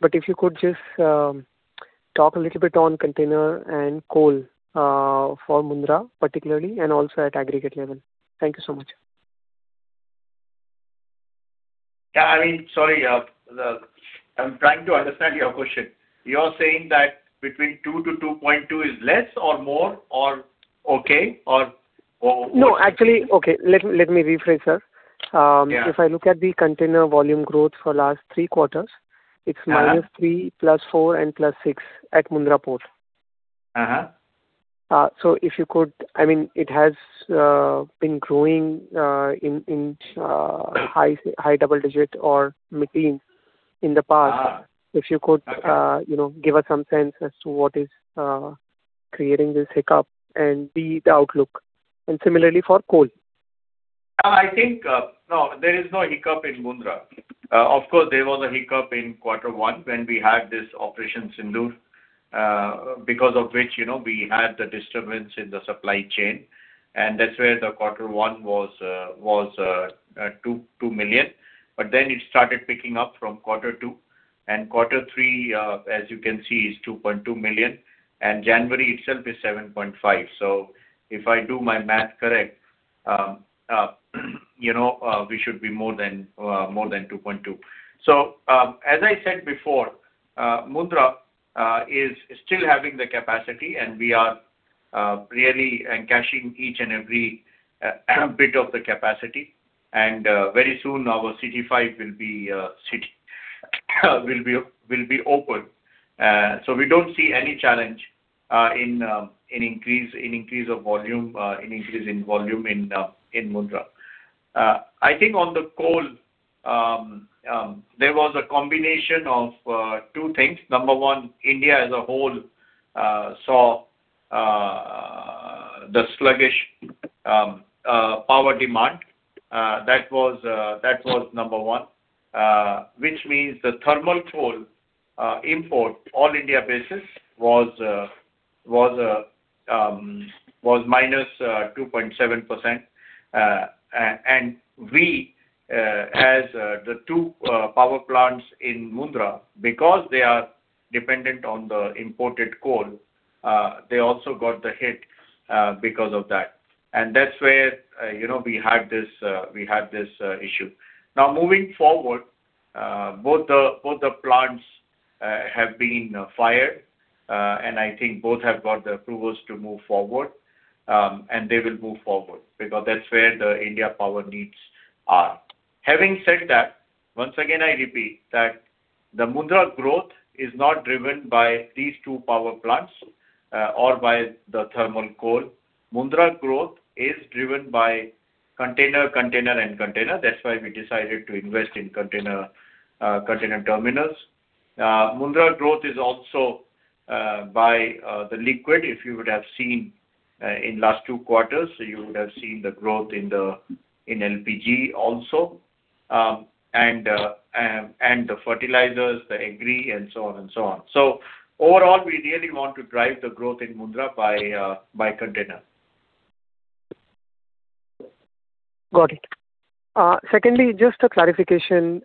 but if you could just talk a little bit on container and coal for Mundra particularly, and also at aggregate level. Thank you so much. Yeah, I mean, sorry, I'm trying to understand your question. You're saying that between 2 to 2.2 is less or more or okay, or, or- No, actually, okay. Let me, let me rephrase, sir. Yeah. If I look at the container volume growth for last 3 quarters- Uh-huh. It's -3, +4 and +6 at Mundra Port. Uh-huh. I mean, it has been growing in high double-digit or mid-teen in the past. Uh. If you could- Okay. you know, give us some sense as to what is creating this hiccup and the, the outlook. And similarly for coal. I think, no, there is no hiccup in Mundra. Of course, there was a hiccup in quarter one when we had this operations hindered, because of which, you know, we had the disturbance in the supply chain, and that's where the quarter one was two million. But then it started picking up from quarter two, and quarter three, as you can see, is 2.2 million, and January itself is 7.5. So if I do my math correct, you know, we should be more than more than 2.2. So, as I said before, Mundra is still having the capacity, and we are really cashing each and every bit of the capacity. And, very soon our CT5 will be open. So we don't see any challenge in increase in volume in Mundra. I think on the coal, there was a combination of two things. Number one, India as a whole saw the sluggish power demand. That was number one, which means the thermal coal import, all India basis, was minus 2.7%. And we, as the two power plants in Mundra, because they are dependent on the imported coal, they also got the hit because of that. And that's where, you know, we had this issue. Now, moving forward, both the plants have been fired, and I think both have got the approvals to move forward, and they will move forward, because that's where the India power needs are. Having said that, once again, I repeat that the Mundra growth is not driven by these two power plants, or by the thermal coal. Mundra growth is driven by container, container and container. That's why we decided to invest in container container terminals. Mundra growth is also by the liquid. If you would have seen, in last two quarters, you would have seen the growth in LPG also, and the fertilizers, the agri, and so on and so on. So overall, we really want to drive the growth in Mundra by container. Got it. Secondly, just a clarification.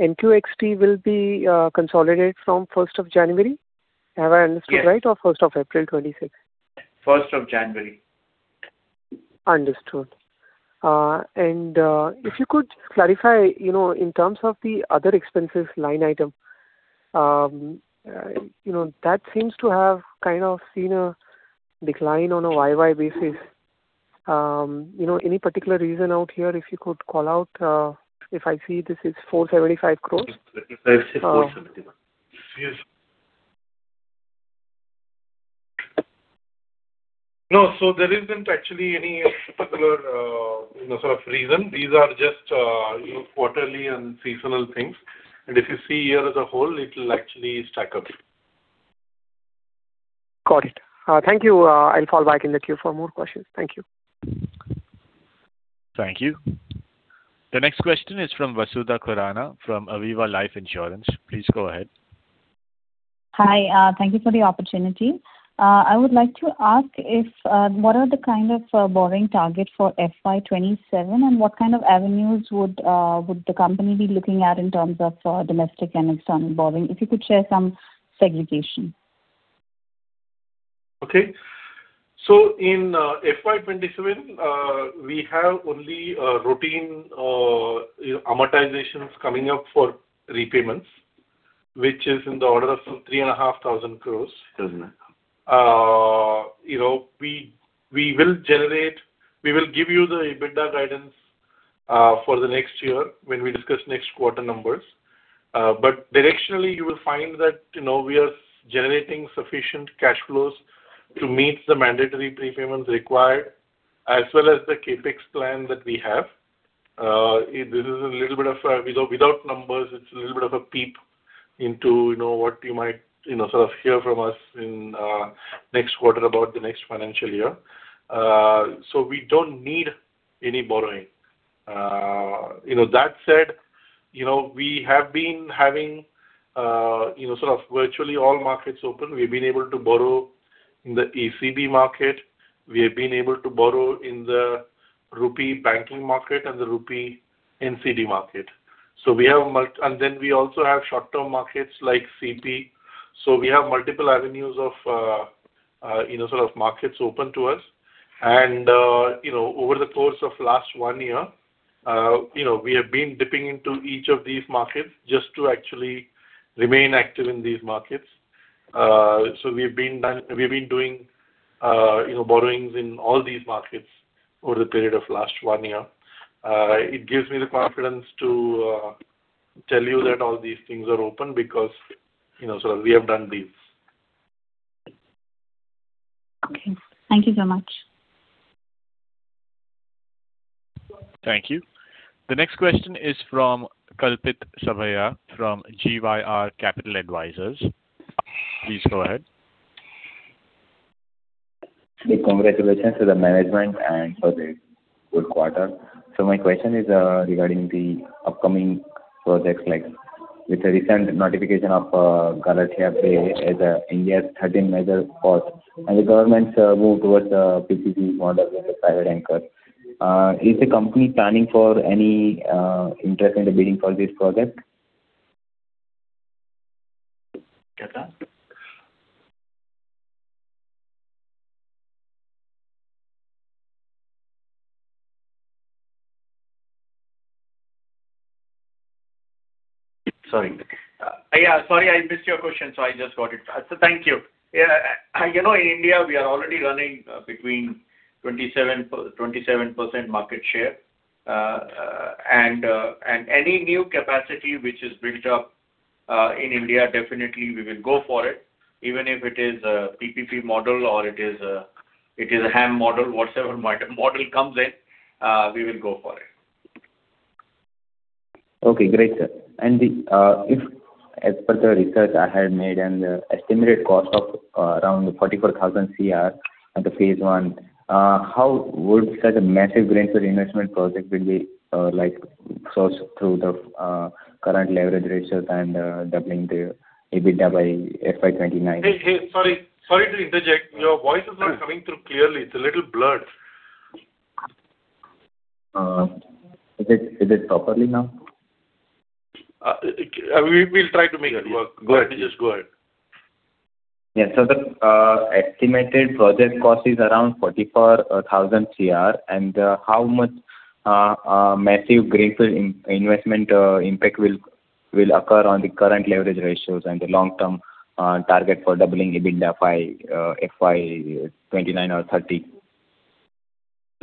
NQXT will be consolidated from first of January. Have I understood right? Yes. or first of April 26? First of January. Understood. If you could clarify, you know, in terms of the other expenses line item, you know, that seems to have kind of seen a decline on a YY basis. You know, any particular reason out here, if you could call out, if I see this is 475 crore? Yes. No, so there isn't actually any particular, you know, sort of reason. These are just, you know, quarterly and seasonal things. And if you see year as a whole, it'll actually stack up. Got it. Thank you. I'll fall back in the queue for more questions. Thank you. Thank you. The next question is from Vasudha Khurana, from Aviva Life Insurance. Please go ahead. Hi, thank you for the opportunity. I would like to ask if, what are the kind of borrowing target for FY 2027, and what kind of avenues would, would the company be looking at in terms of, domestic and external borrowing? If you could share some segregation. Okay. So in FY 2027, we have only routine amortizations coming up for repayments, which is in the order of 3,500 crores. You know, we will give you the EBITDA guidance for the next year when we discuss next quarter numbers. But directionally, you will find that, you know, we are generating sufficient cash flows to meet the mandatory prepayments required, as well as the CapEx plan that we have. This is a little bit of, without numbers, it's a little bit of a peep into, you know, what you might, you know, sort of hear from us in next quarter about the next financial year. So we don't need any borrowing. You know, that said, you know, we have been having, you know, sort of virtually all markets open. We've been able to borrow-... in the ECB market, we have been able to borrow in the rupee banking market and the rupee NCD market. So we have and then we also have short-term markets like CP. So we have multiple avenues of, you know, sort of markets open to us. And, you know, over the course of last one year, you know, we have been dipping into each of these markets just to actually remain active in these markets. So we've been doing, you know, borrowings in all these markets over the period of last one year. It gives me the confidence to tell you that all these things are open because, you know, so we have done these. Okay. Thank you so much. Thank you. The next question is from Kalpit Sabhaya from GYR Capital Advisors. Please go ahead. Hey, congratulations to the management and for the good quarter. So my question is, regarding the upcoming projects, like, with the recent notification of Galathea Bay as India's 13th major port, and the government's move towards PPP model with a private anchor. Is the company planning for any interest in the bidding for this project? Say that? Sorry. Yeah, sorry, I missed your question, so I just got it. So thank you. Yeah, you know, in India, we are already running between 27, 27% market share. And any new capacity which is built up in India, definitely we will go for it. Even if it is a PPP model or it is a HAM model, whatsoever model comes in, we will go for it. Okay, great, sir. And the, if as per the research I have made and the estimated cost of around 44,000 crore at the phase one, how would such a massive greenfield investment project will be, like, sourced through the current leverage ratios and doubling the EBITDA by FY 2029? Hey, hey, sorry. Sorry to interject. Your voice is not coming through clearly. It's a little blurred. Is it, is it properly now? We'll try to make it work. Go ahead. Yes, go ahead. Yeah, so the estimated project cost is around 44,000 crore. How much massive greenfield investment impact will occur on the current leverage ratios and the long-term target for doubling EBITDA by FY 2029 or 2030?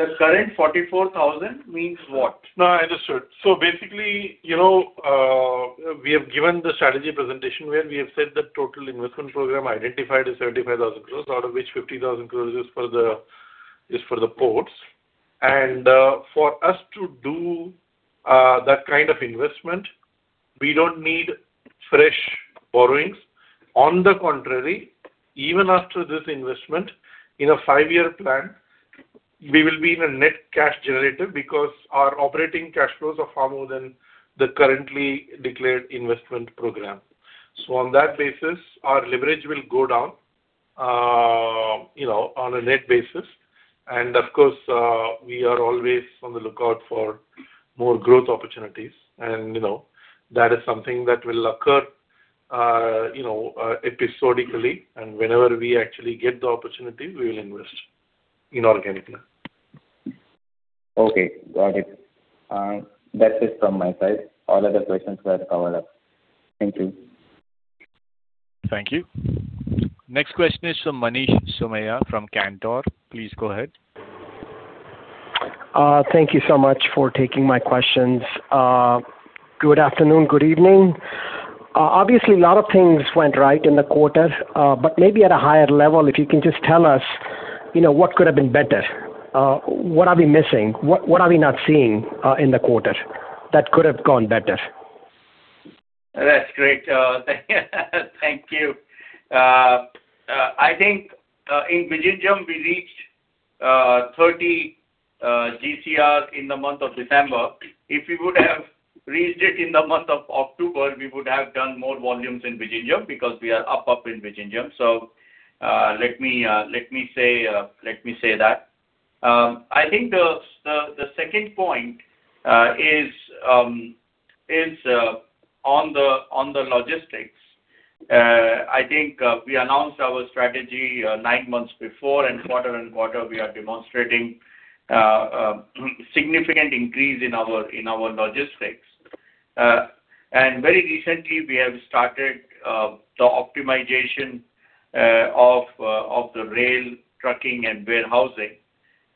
The current 44,000 means what? No, I understood. So basically, you know, we have given the strategy presentation where we have said the total investment program identified is 75,000 crore, out of which 50,000 crore is for the, is for the ports. For us to do that kind of investment, we don't need fresh borrowings. On the contrary, even after this investment, in a 5-year plan, we will be in a net cash generator because our operating cash flows are far more than the currently declared investment program. So on that basis, our leverage will go down, you know, on a net basis. Of course, we are always on the lookout for more growth opportunities. You know, that is something that will occur, you know, episodically, and whenever we actually get the opportunity, we will invest inorganically. Okay, got it. That's it from my side. All other questions were covered up. Thank you. Thank you. Next question is from Manish Somaiya from Cantor. Please go ahead. Thank you so much for taking my questions. Good afternoon, good evening. Obviously, a lot of things went right in the quarter, but maybe at a higher level, if you can just tell us, you know, what could have been better? What are we missing? What, what are we not seeing, in the quarter that could have gone better? That's great. Thank you. I think in Vizag we reached 30 GCR in the month of December. If we would have reached it in the month of October, we would have done more volumes in Vizag, because we are up in Vizag. So, let me say that. I think the second point is on the logistics. I think we announced our strategy nine months before, and quarter and quarter we are demonstrating significant increase in our logistics. And very recently, we have started the optimization of the rail, trucking, and warehousing.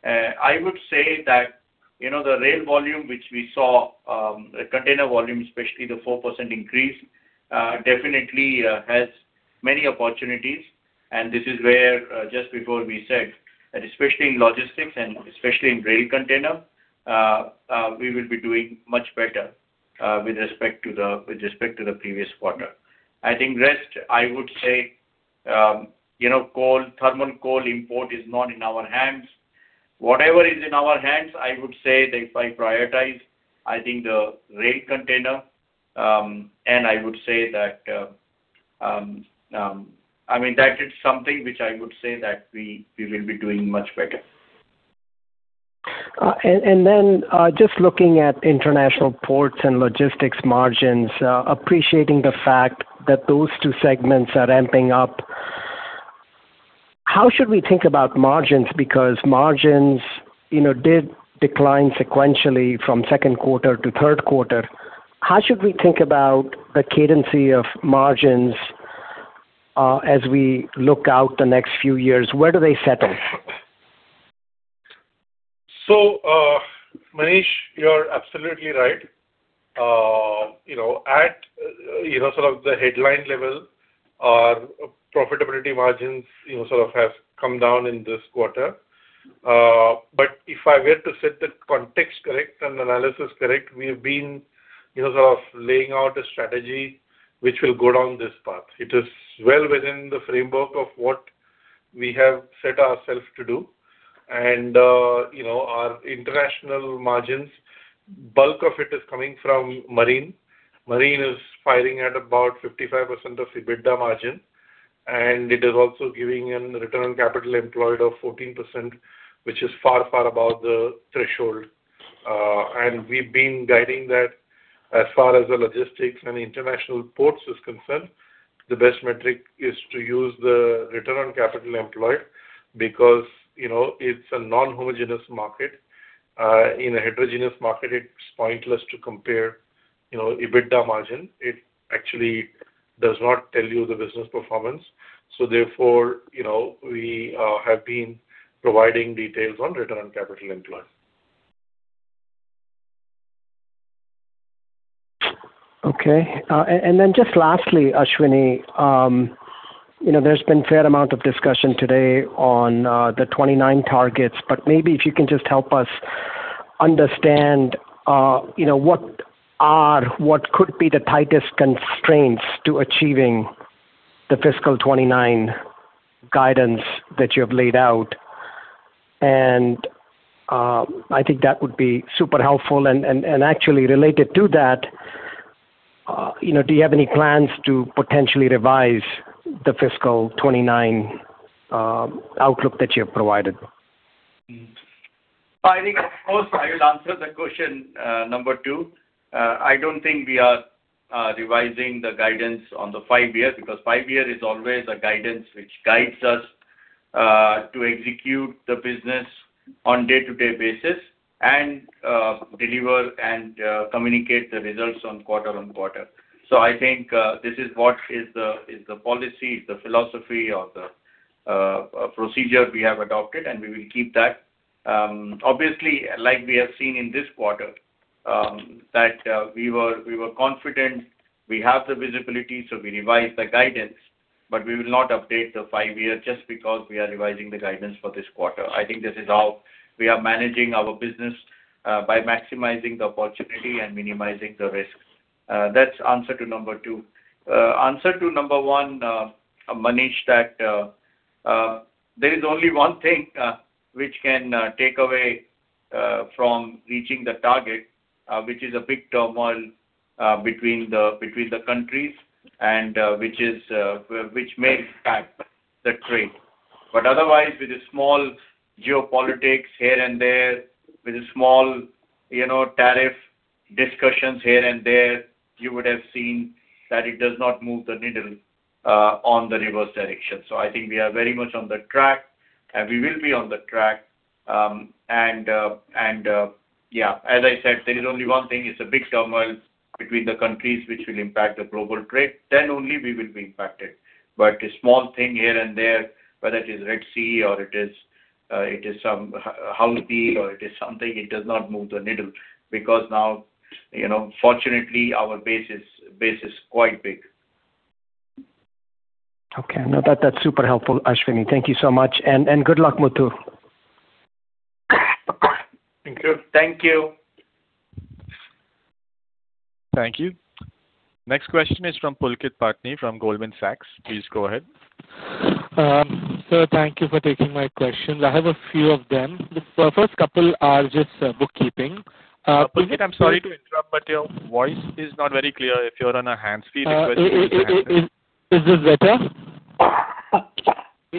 I would say that, you know, the rail volume, which we saw, the container volume, especially the 4% increase, definitely has many opportunities. And this is where, just before we said that, especially in logistics and especially in rail container, we will be doing much better, with respect to the, with respect to the previous quarter. I think the rest, I would say, you know, coal, thermal coal import is not in our hands. Whatever is in our hands, I would say that if I prioritize, I think the rail container, and I would say that, I mean, that is something which I would say that we, we will be doing much better. Then, just looking at international ports and logistics margins, appreciating the fact that those two segments are ramping up, how should we think about margins? Because margins, you know, did decline sequentially from second quarter to third quarter. How should we think about the cadence of margins, as we look out the next few years, where do they settle? So, Manish, you're absolutely right. You know, at, you know, sort of the headline level, our profitability margins, you know, sort of have come down in this quarter. But if I were to set the context correct and analysis correct, we have been, you know, sort of laying out a strategy which will go down this path. It is well within the framework of what we have set ourself to do. And, you know, our international margins, bulk of it is coming from marine. Marine is firing at about 55% of EBITDA margin, and it is also giving a return on capital employed of 14%, which is far, far above the threshold. And we've been guiding that as far as the logistics and international ports is concerned, the best metric is to use the return on capital employed, because, you know, it's a non-homogeneous market. In a heterogeneous market, it's pointless to compare, you know, EBITDA margin. It actually does not tell you the business performance. So therefore, you know, we have been providing details on return on capital employed. Okay. And then just lastly, Ashwani, you know, there's been a fair amount of discussion today on the 2029 targets, but maybe if you can just help us understand, you know, what could be the tightest constraints to achieving the fiscal 2029 guidance that you have laid out? And I think that would be super helpful, and actually related to that, you know, do you have any plans to potentially revise the fiscal 2029 outlook that you have provided? I think, of course, I will answer the question number 2. I don't think we are revising the guidance on the 5 years, because 5-year is always a guidance which guides us to execute the business on day-to-day basis and deliver and communicate the results on quarter on quarter. So I think this is the policy, the philosophy, or the procedure we have adopted, and we will keep that. Obviously, like we have seen in this quarter, that we were confident we have the visibility, so we revised the guidance, but we will not update the 5-year just because we are revising the guidance for this quarter. I think this is how we are managing our business by maximizing the opportunity and minimizing the risks. That's answer to number two. Answer to number one, Manish, that, there is only one thing, which can take away from reaching the target, which is a big turmoil between the, between the countries and, which is, which may impact the trade. But otherwise, with the small geopolitics here and there, with the small, you know, tariff discussions here and there, you would have seen that it does not move the needle on the reverse direction. So I think we are very much on the track, and we will be on the track. And, and, yeah, as I said, there is only one thing, it's a big turmoil between the countries which will impact the global trade, then only we will be impacted. But a small thing here and there, whether it is Red Sea or it is some Houthi or it is something, it does not move the needle, because now, you know, fortunately, our base is quite big. Okay. No, that, that's super helpful, Ashwani. Thank you so much, and, and good luck, Muthu. Thank you. Thank you. Thank you. Next question is from Pulkit Patni, from Goldman Sachs. Please go ahead. Sir, thank you for taking my questions. I have a few of them. The first couple are just bookkeeping. Pulkit, I'm sorry to interrupt, but your voice is not very clear. If you're on a hands-free device- Is this better?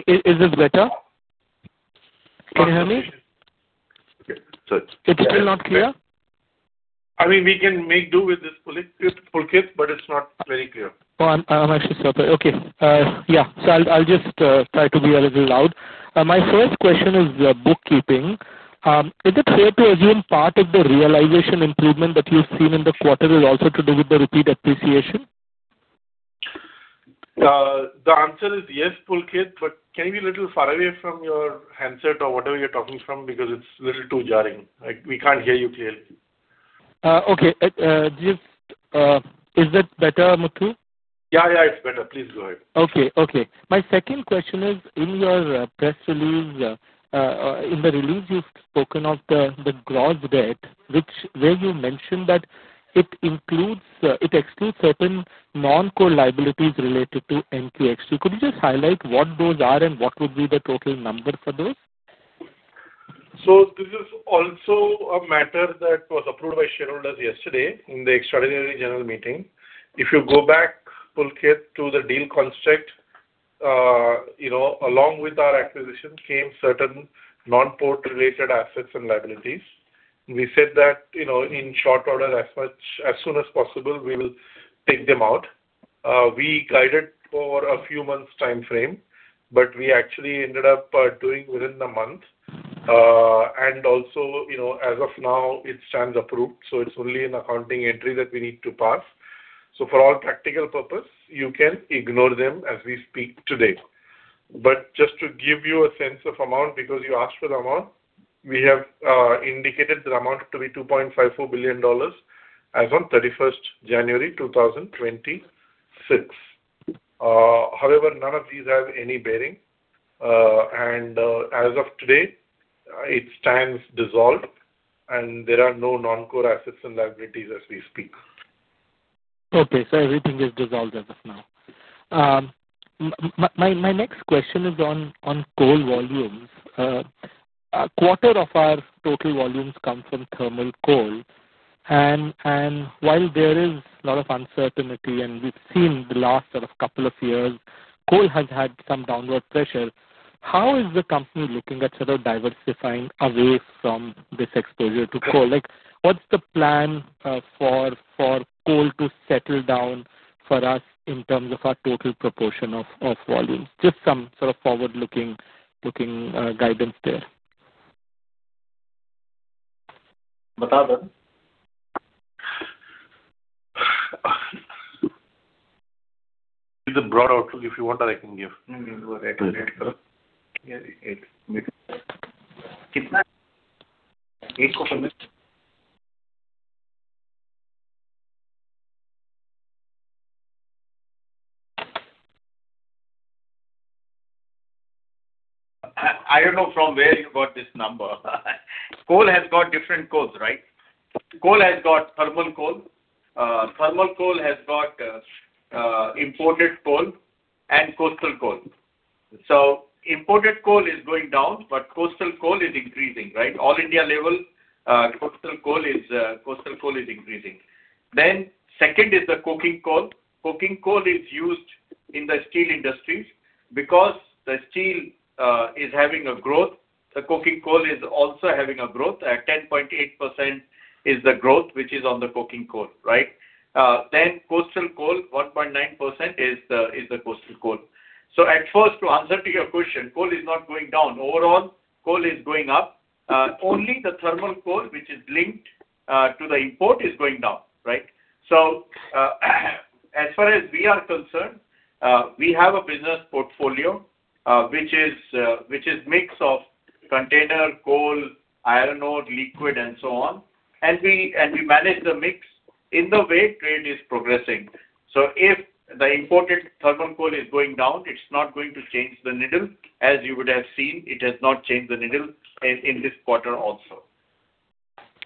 Is this better? Can you hear me? Okay. So it's- It's still not clear? I mean, we can make do with this, Pulkit, but it's not very clear. Oh, I'm actually sorry. Okay. Yeah. So I'll just try to be a little loud. My first question is, bookkeeping. Is it fair to assume part of the realization improvement that you've seen in the quarter is also to do with the rupee appreciation? The answer is yes, Pulkit, but can you be a little far away from your handset or whatever you're talking from? Because it's a little too jarring. Like, we can't hear you clearly. Okay. Just, is that better, Muthu? Yeah, yeah, it's better. Please go ahead. Okay, okay. My second question is, in your press release, in the release, you've spoken of the gross debt, which, where you mentioned that it excludes certain non-core liabilities related to NQXT. Could you just highlight what those are and what would be the total number for those? ...So this is also a matter that was approved by shareholders yesterday in the extraordinary general meeting. If you go back, Pulkit, to the deal construct, you know, along with our acquisition came certain non-port related assets and liabilities. We said that, you know, in short order, as much, as soon as possible, we will take them out. We guided for a few months time frame, but we actually ended up doing within the month. And also, you know, as of now, it stands approved, so it's only an accounting entry that we need to pass. So for all practical purpose, you can ignore them as we speak today. But just to give you a sense of amount, because you asked for the amount, we have indicated the amount to be $2.54 billion as on 31 January 2026. However, none of these have any bearing. And, as of today, it stands dissolved, and there are no non-core assets and liabilities as we speak. Okay. So everything is dissolved as of now. My next question is on coal volumes. A quarter of our total volumes come from thermal coal, and while there is a lot of uncertainty, and we've seen the last sort of couple of years, coal has had some downward pressure. How is the company looking at sort of diversifying away from this exposure to coal? Like, what's the plan for coal to settle down for us in terms of our total proportion of volumes? Just some sort of forward-looking guidance there. It's a broad outlook. If you want, I can give. I don't know from where you got this number. Coal has got different coals, right? Coal has got thermal coal. Thermal coal has got imported coal and coastal coal. So imported coal is going down, but coastal coal is increasing, right? All India level, coastal coal is increasing. Then, second is the coking coal. Coking coal is used in the steel industries. Because the steel is having a growth, the coking coal is also having a growth. At 10.8% is the growth, which is on the coking coal, right? Then coastal coal, 1.9% is the coastal coal. So at first, to answer to your question, coal is not going down. Overall, coal is going up. Only the thermal coal, which is linked to the import, is going down, right? So, as far as we are concerned, we have a business portfolio, which is mix of container, coal, iron ore, liquid, and so on, and we manage the mix in the way trade is progressing. So if the imported thermal coal is going down, it's not going to change the needle. As you would have seen, it has not changed the needle in this quarter also.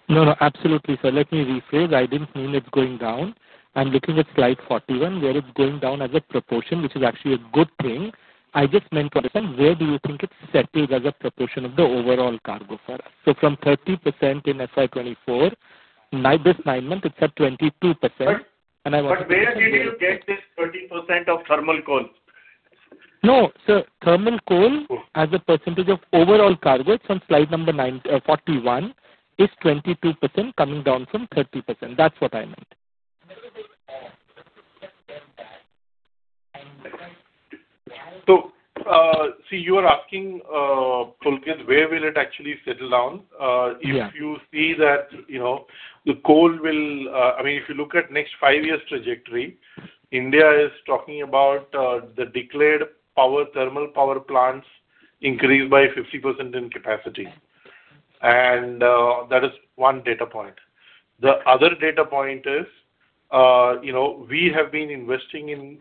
No, no, absolutely, sir. Let me rephrase. I didn't mean it's going down. I'm looking at slide 41, where it's going down as a proportion, which is actually a good thing. I just meant, where do you think it settles as a proportion of the overall cargo for us? So from 30% in FY 2024, nine-- this 9-month, it's at 22%. But- I want to- But where did you get this 30% of thermal coal? No, sir, thermal coal- Cool. As a percentage of overall cargo from slide number 9, 41, is 22%, coming down from 30%. That's what I meant. So, see, you are asking, Pulkit, where will it actually settle down? Yeah. If you see that, you know, the coal will, I mean, if you look at next 5 years trajectory, India is talking about the declared power, thermal power plants increased by 50% in capacity. And that is one data point. The other data point is, you know, we have been investing in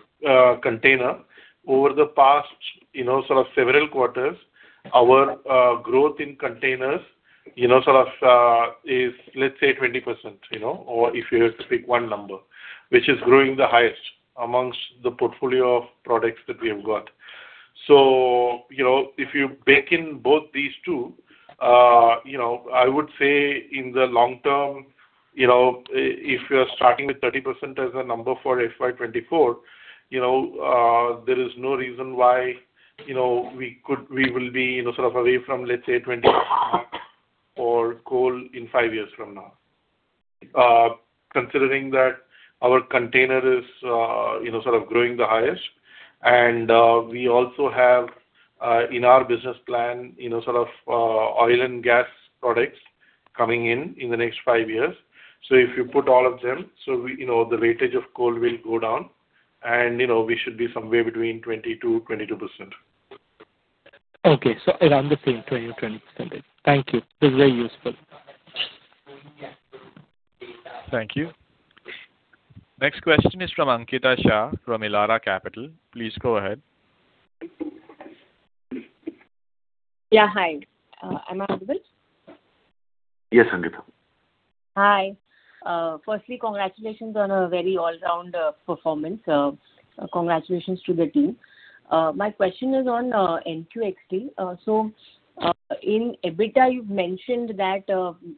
container over the past, you know, sort of several quarters. Our growth in containers, you know, sort of is, let's say, 20%, you know, or if you have to pick one number, which is growing the highest amongst the portfolio of products that we have got. So, you know, if you bake in both these two, you know, I would say in the long term, you know, if you are starting with 30% as a number for FY 2024, you know, there is no reason why, you know, we will be, you know, sort of away from, let's say, 20 on coal in five years from now. Considering that our container is, you know, sort of growing the highest, and we also have in our business plan, you know, sort of oil and gas products coming in in the next five years. So if you put all of them, so we, you know, the weightage of coal will go down and, you know, we should be somewhere between 20%-22%. Okay, so around the same, 20 or 20%. Thank you. This is very useful. Thank you. Next question is from Ankita Shah, from Elara Capital. Please go ahead. Yeah, hi. Am I audible?... Yes, Ankita. Hi. Firstly, congratulations on a very all-round performance. Congratulations to the team. My question is on NQXT. So, in EBITDA, you've mentioned that,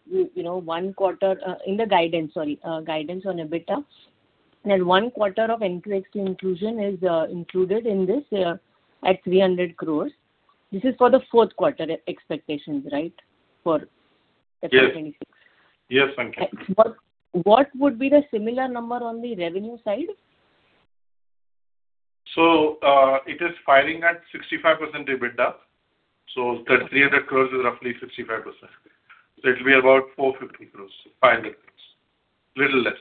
you know, one quarter in the guidance, sorry, guidance on EBITDA. And one quarter of NQXT inclusion is included in this at 300 crore. This is for the fourth quarter expectations, right? For- Yes. FY 2026. Yes, Ankita. What would be the similar number on the revenue side? So, it is firing at 65% EBITDA, so the 300 crore is roughly 65%. So it'll be about 450 crore, 5 million, little less.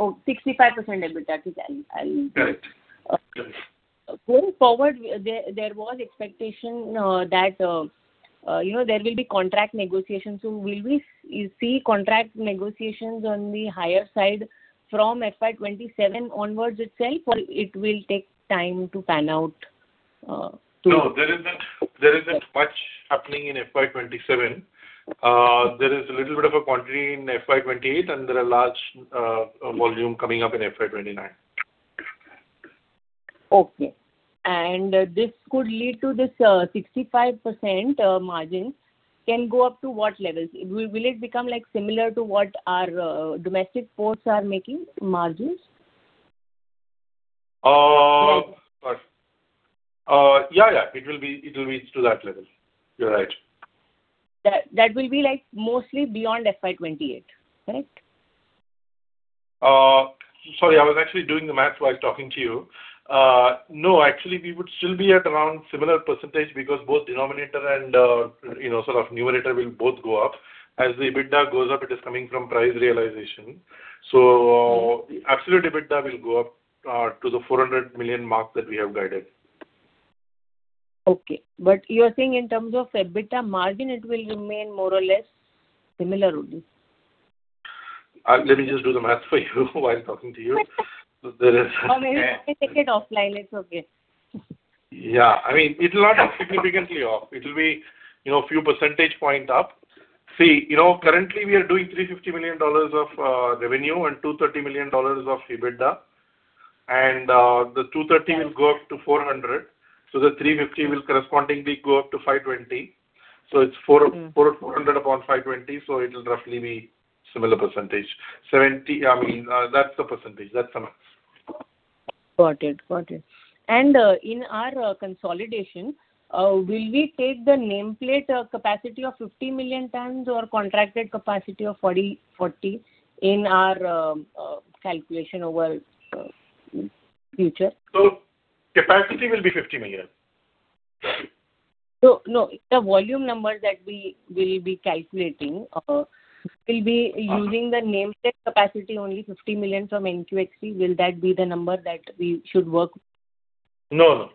Oh, 65% EBITDA. Okay, I'll- Correct. Correct. Going forward, there was expectation that, you know, there will be contract negotiations. So will we see contract negotiations on the higher side from FY 2027 onwards itself, or it will take time to pan out? No, there isn't, there isn't much happening in FY 2027. There is a little bit of a quantity in FY 2028, and there are large, volume coming up in FY 2029. Okay. And this could lead to this, 65% margin. Can go up to what levels? Will it become, like, similar to what our domestic ports are making margins? Yeah, yeah. It will be, it will be to that level. You're right. That will be, like, mostly beyond FY 2028, correct? Sorry, I was actually doing the math while talking to you. No, actually, we would still be at around similar percentage because both denominator and, you know, sort of numerator will both go up. As the EBITDA goes up, it is coming from price realization. So absolute EBITDA will go up, to the 400 million mark that we have guided. Okay. But you are saying in terms of EBITDA margin, it will remain more or less similar only? Let me just do the math for you while talking to you. So there is- Or maybe take it offline. It's okay. Yeah. I mean, it'll not be significantly off. It'll be, you know, few percentage point up. See, you know, currently we are doing $350 million of revenue and $230 million of EBITDA, and the $230 million will go up to $400 million, so the $350 million will correspondingly go up to $520 million. So it's 400 upon 520, so it'll roughly be similar percentage. 70%, I mean, that's the percentage. That's the math. Got it. Got it. And, in our consolidation, will we take the nameplate capacity of 50 million tons or contracted capacity of 40/40 in our calculation over future? Capacity will be 50 million. No, the volume numbers that we will be calculating will be using- Uh- the nameplate capacity, only 50 million from NQXT. Will that be the number that we should work? No, no.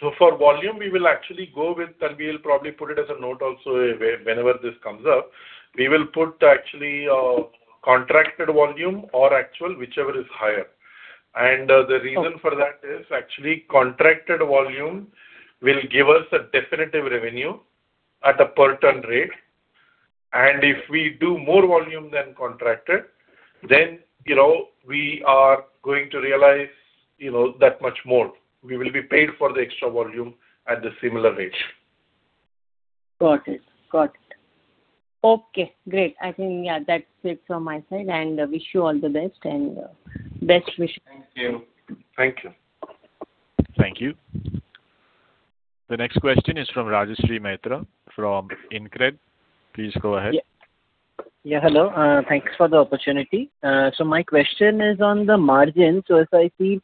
So for volume, we will actually go with, and we'll probably put it as a note also, where whenever this comes up. We will put actually, contracted volume or actual, whichever is higher. Okay. The reason for that is actually contracted volume will give us a definitive revenue at a per ton rate. If we do more volume than contracted, then, you know, we are going to realize, you know, that much more. We will be paid for the extra volume at the similar rate. Got it. Got it. Okay, great. I think, yeah, that's it from my side, and wish you all the best and best wishes. Thank you. Thank you. Thank you. The next question is from Rajarshi Maitra, from InCred. Please go ahead. Yeah. Yeah, hello. Thanks for the opportunity. So my question is on the margin. So as I see,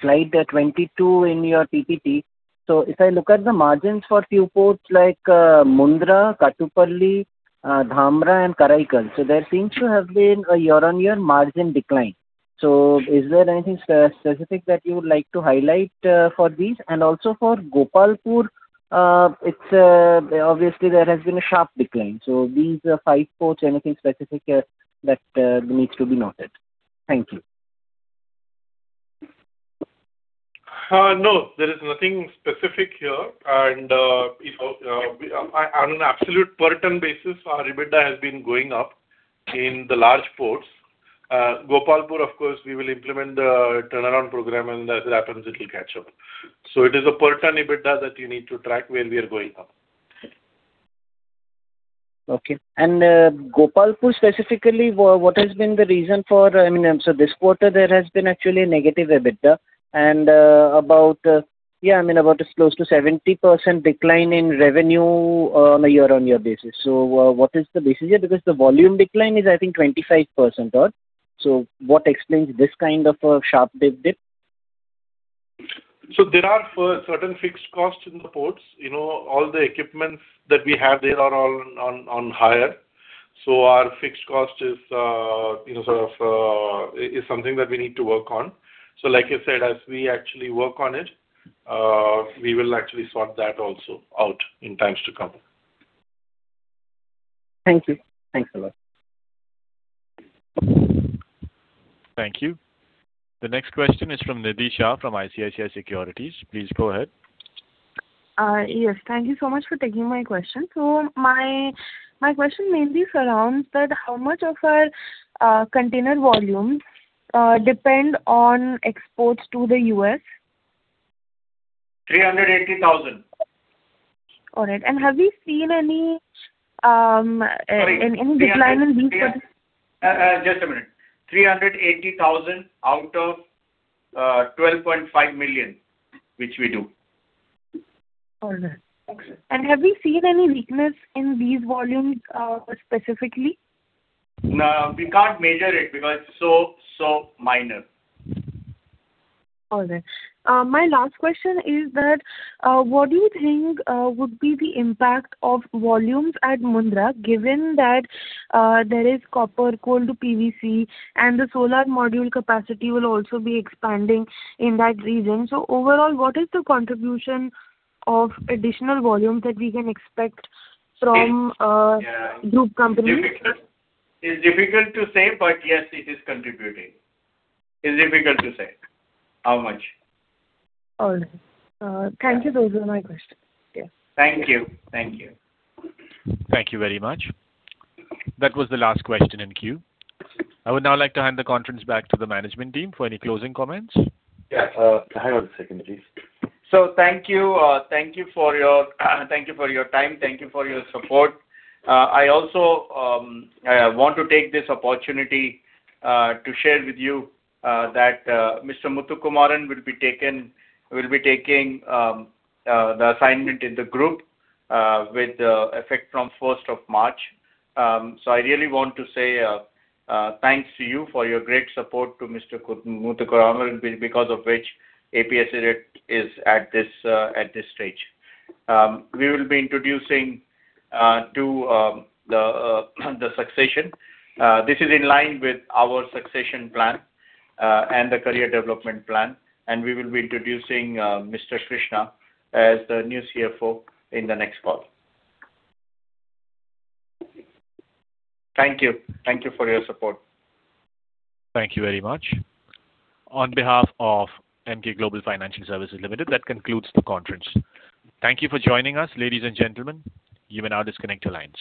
slide 22 in your PPT. So if I look at the margins for few ports like Mundra, Kattupalli, Dhamra, and Karaikal, so there seems to have been a year-on-year margin decline. So is there anything specific that you would like to highlight for these? And also for Gopalpur, it's obviously there has been a sharp decline. So these five ports, anything specific that needs to be noted? Thank you. No, there is nothing specific here. You know, on an absolute per ton basis, our EBITDA has been going up in the large ports. Gopalpur, of course, we will implement the turnaround program, and as it happens, it will catch up. It is a per ton EBITDA that you need to track where we are going now. Okay. And, Gopalpur, specifically, what has been the reason for... I mean, so this quarter there has been actually a negative EBITDA and, about, yeah, I mean, about as close to 70% decline in revenue on a year-on-year basis. So, what is the basis here? Because the volume decline is, I think, 25% odd. So what explains this kind of a sharp dip? So there are certain fixed costs in the ports. You know, all the equipment that we have, they are all on hire. So our fixed cost is, you know, sort of something that we need to work on. So like I said, as we actually work on it, we will actually sort that also out in times to come. Thank you. Thanks a lot. ... Thank you. The next question is from Nidhi Shah, from ICICI Securities. Please go ahead. Yes, thank you so much for taking my question. So my question mainly surrounds that how much of our container volume depend on exports to the US? 380,000. All right. And have you seen any? Sorry. Any decline in these- Just a minute. 380,000 out of 12.5 million, which we do. All right. Okay. Have you seen any weakness in these volumes, specifically? No, we can't measure it because it's so, so minor. All right. My last question is that, what do you think, would be the impact of volumes at Mundra, given that, there is copper, coal to PVC, and the solar module capacity will also be expanding in that region. So overall, what is the contribution of additional volume that we can expect from, Yeah. Group companies? Difficult. It's difficult to say, but yes, it is contributing. It's difficult to say how much. All right. Thank you. Those were my questions. Yes. Thank you. Thank you. Thank you very much. That was the last question in queue. I would now like to hand the conference back to the management team for any closing comments. Yes. Hang on a second, please. So thank you, thank you for your, thank you for your time, thank you for your support. I also want to take this opportunity to share with you that Mr. Muthukumaran will be taking the assignment in the group with effect from first of March. So I really want to say thanks to you for your great support to Mr. Muthukumaran, because of which APSEZ is at this stage. We will be introducing to the succession. This is in line with our succession plan and the career development plan, and we will be introducing Mr. Krishna as the new CFO in the next call. Thank you. Thank you for your support. Thank you very much. On behalf of Emkay Global Financial Services Limited, that concludes the conference. Thank you for joining us, ladies and gentlemen. You may now disconnect your lines.